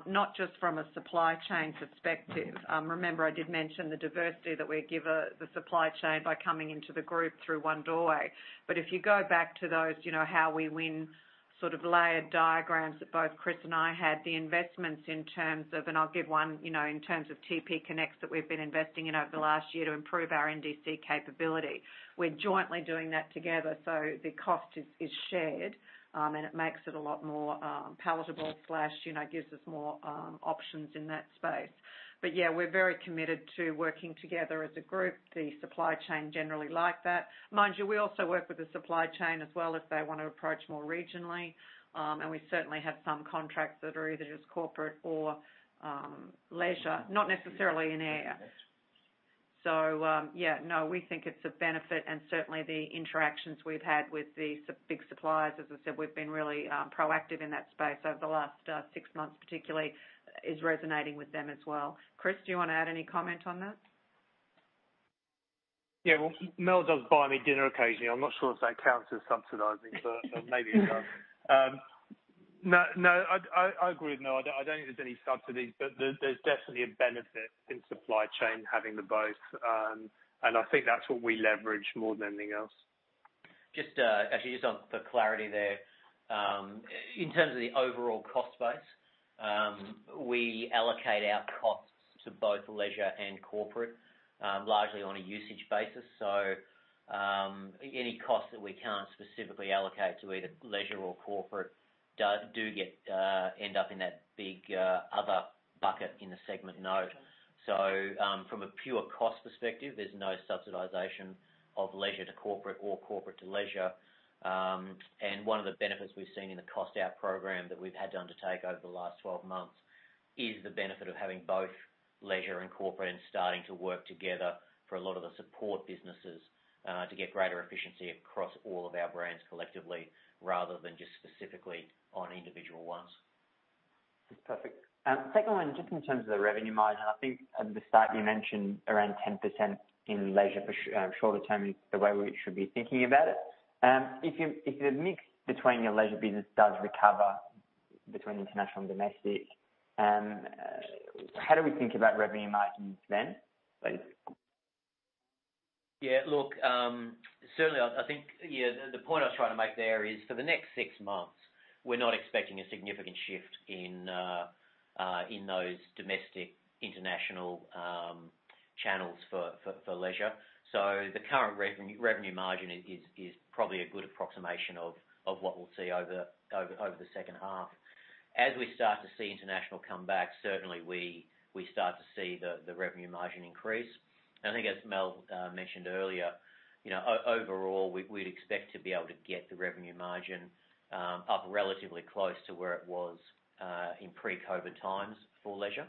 Not just from a supply chain perspective. Remember, I did mention the diversity that we give the supply chain by coming into the group through one doorway. If you go back to those how we win sort of layered diagrams that both Chris and I had, the investments in terms of, and I'll give one, in terms of TPConnects that we've been investing in over the last year to improve our NDC capability. We're jointly doing that together, so the cost is shared, and it makes it a lot more palatable, gives us more options in that space. Yeah, we're very committed to working together as a group. The supply chain generally like that. Mind you, we also work with the supply chain as well if they want to approach more regionally. We certainly have some contracts that are either just corporate or leisure, not necessarily in air. Yeah, no, we think it's a benefit and certainly the interactions we've had with the big suppliers, as I said, we've been really proactive in that space over the last six months particularly, is resonating with them as well. Chris, do you want to add any comment on that? Yeah. Well, Mel does buy me dinner occasionally. I'm not sure if that counts as subsidizing, but maybe it does. No, I agree with Mel. I don't think there's any subsidies, but there's definitely a benefit in supply chain having them both. I think that's what we leverage more than anything else. Actually, just on for clarity there. In terms of the overall cost base, we allocate our costs to both leisure and corporate largely on a usage basis. Any cost that we can't specifically allocate to either leisure or corporate do end up in that big other bucket in the segment note. From a pure cost perspective, there's no subsidization of leisure to corporate or corporate to leisure. One of the benefits we've seen in the cost out program that we've had to undertake over the last 12 months is the benefit of having both leisure and corporate and starting to work together for a lot of the support businesses, to get greater efficiency across all of our brands collectively, rather than just specifically on individual ones. That's perfect. Second one, just in terms of the revenue margin, I think at the start you mentioned around 10% in leisure for shorter term is the way we should be thinking about it. If the mix between your leisure business does recover between international and domestic, how do we think about revenue margins then? Yeah, look, certainly I think the point I was trying to make there is for the next six months, we're not expecting a significant shift in those domestic-international channels for leisure. The current revenue margin is probably a good approximation of what we'll see over the second half. As we start to see international come back, certainly we start to see the revenue margin increase. I think as Mel mentioned earlier, overall, we'd expect to be able to get the revenue margin up relatively close to where it was in pre-COVID times for leisure.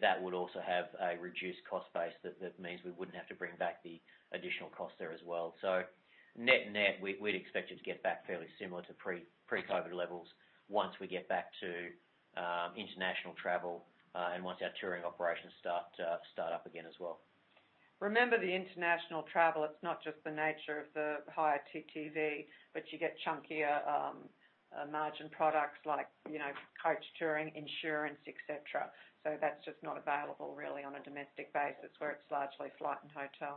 That would also have a reduced cost base that means we wouldn't have to bring back the additional cost there as well. Net-net, we'd expect it to get back fairly similar to pre-COVID levels once we get back to international travel, and once our touring operations start up again as well. Remember the international travel, it’s not just the nature of the higher TTV, but you get chunkier margin products like coach touring, insurance, et cetera. That’s just not available really on a domestic basis where it’s largely flight and hotel.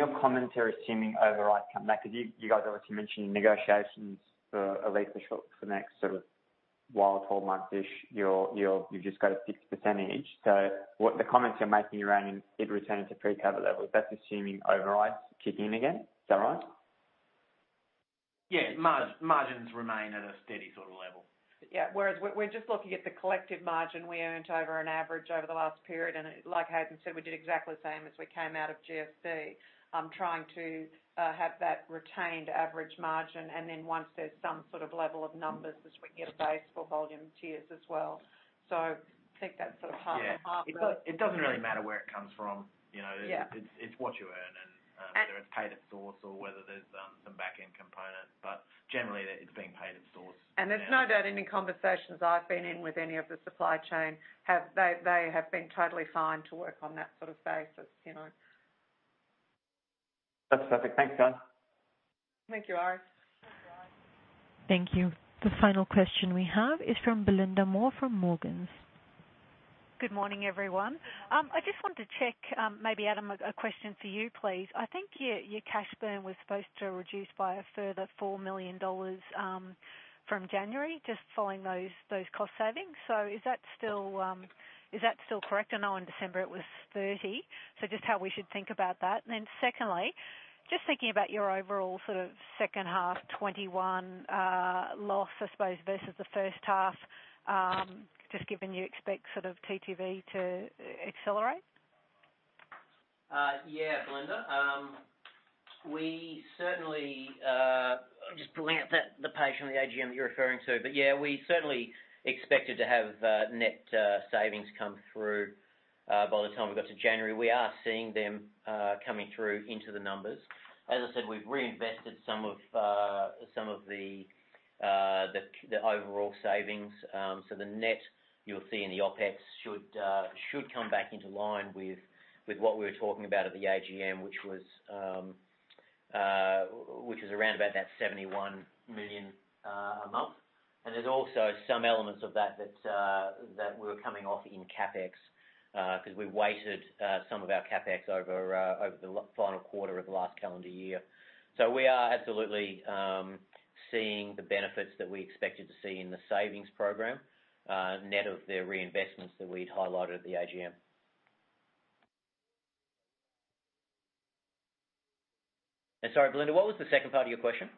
Your comments are assuming overrides come back. You guys already mentioned in negotiations for at least the next sort of 12 month-ish, you've just got 60%. The comments you're making around it returning to pre-COVID levels, that's assuming overrides kick in again. Is that right? Yeah. Margins remain at a steady sort of level. Yeah. Whereas we're just looking at the collective margin we earned over an average over the last period. Like Haydn said, we did exactly the same as we came out of GFC, trying to have that retained average margin. Once there's some sort of level of numbers as we get a base for volume tiers as well. I think that's sort of half and half. Yeah. It doesn't really matter where it comes from. Yeah. It's what you earn and. Whether it's paid at source or whether there's some back-end component, but generally, it's being paid at source. There's no doubt any conversations I've been in with any of the supply chain, they have been totally fine to work on that sort of basis. That's perfect. Thanks, guys. Thank you, Aryan. Thank you. The final question we have is from Belinda Moore from Morgans. Good morning, everyone. I just wanted to check, maybe Adam, a question for you, please. I think your cash burn was supposed to reduce by a further 4 million dollars from January, just following those cost savings. Is that still correct? I know in December it was 30. Just how we should think about that. Secondly, just thinking about your overall second half 2021 loss, I suppose, versus the first half, just given you expect TTV to accelerate. Yeah, Belinda. I'm just pulling up the page from the AGM that you're referring to, yeah, we certainly expected to have net savings come through by the time we got to January. We are seeing them coming through into the numbers. As I said, we've reinvested some of the overall savings. The net you'll see in the OpEx should come back into line with what we were talking about at the AGM, which was around about that 71 million a month. There's also some elements of that were coming off in CapEx, because we weighted some of our CapEx over the final quarter of last calendar year. We are absolutely seeing the benefits that we expected to see in the savings program, net of the reinvestments that we'd highlighted at the AGM. Sorry, Belinda, what was the second part of your question?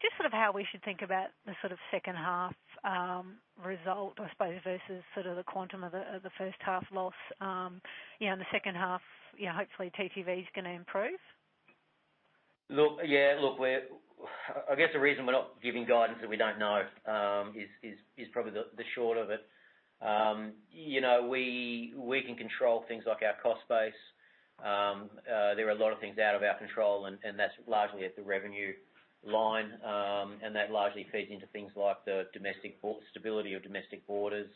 Just how we should think about the second half result, I suppose, versus the quantum of the first half loss. In the second half, hopefully TTV is going to improve? Look, I guess the reason we're not giving guidance that we don't know is probably the short of it. We can control things like our cost base. There are a lot of things out of our control, and that's largely at the revenue line, and that largely feeds into things like the stability of domestic borders,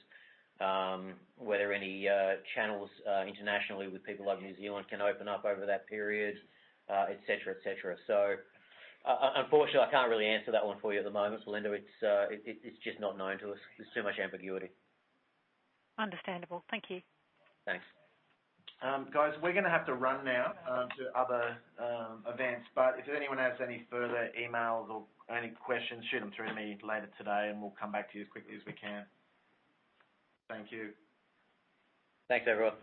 whether any channels internationally with people like New Zealand can open up over that period, et cetera. Unfortunately, I can't really answer that one for you at the moment, Belinda. It's just not known to us. There's too much ambiguity. Understandable. Thank you. Thanks. Guys, we're going to have to run now to other events, but if anyone has any further emails or any questions, shoot them through to me later today and we'll come back to you as quickly as we can. Thank you. Thanks, everyone.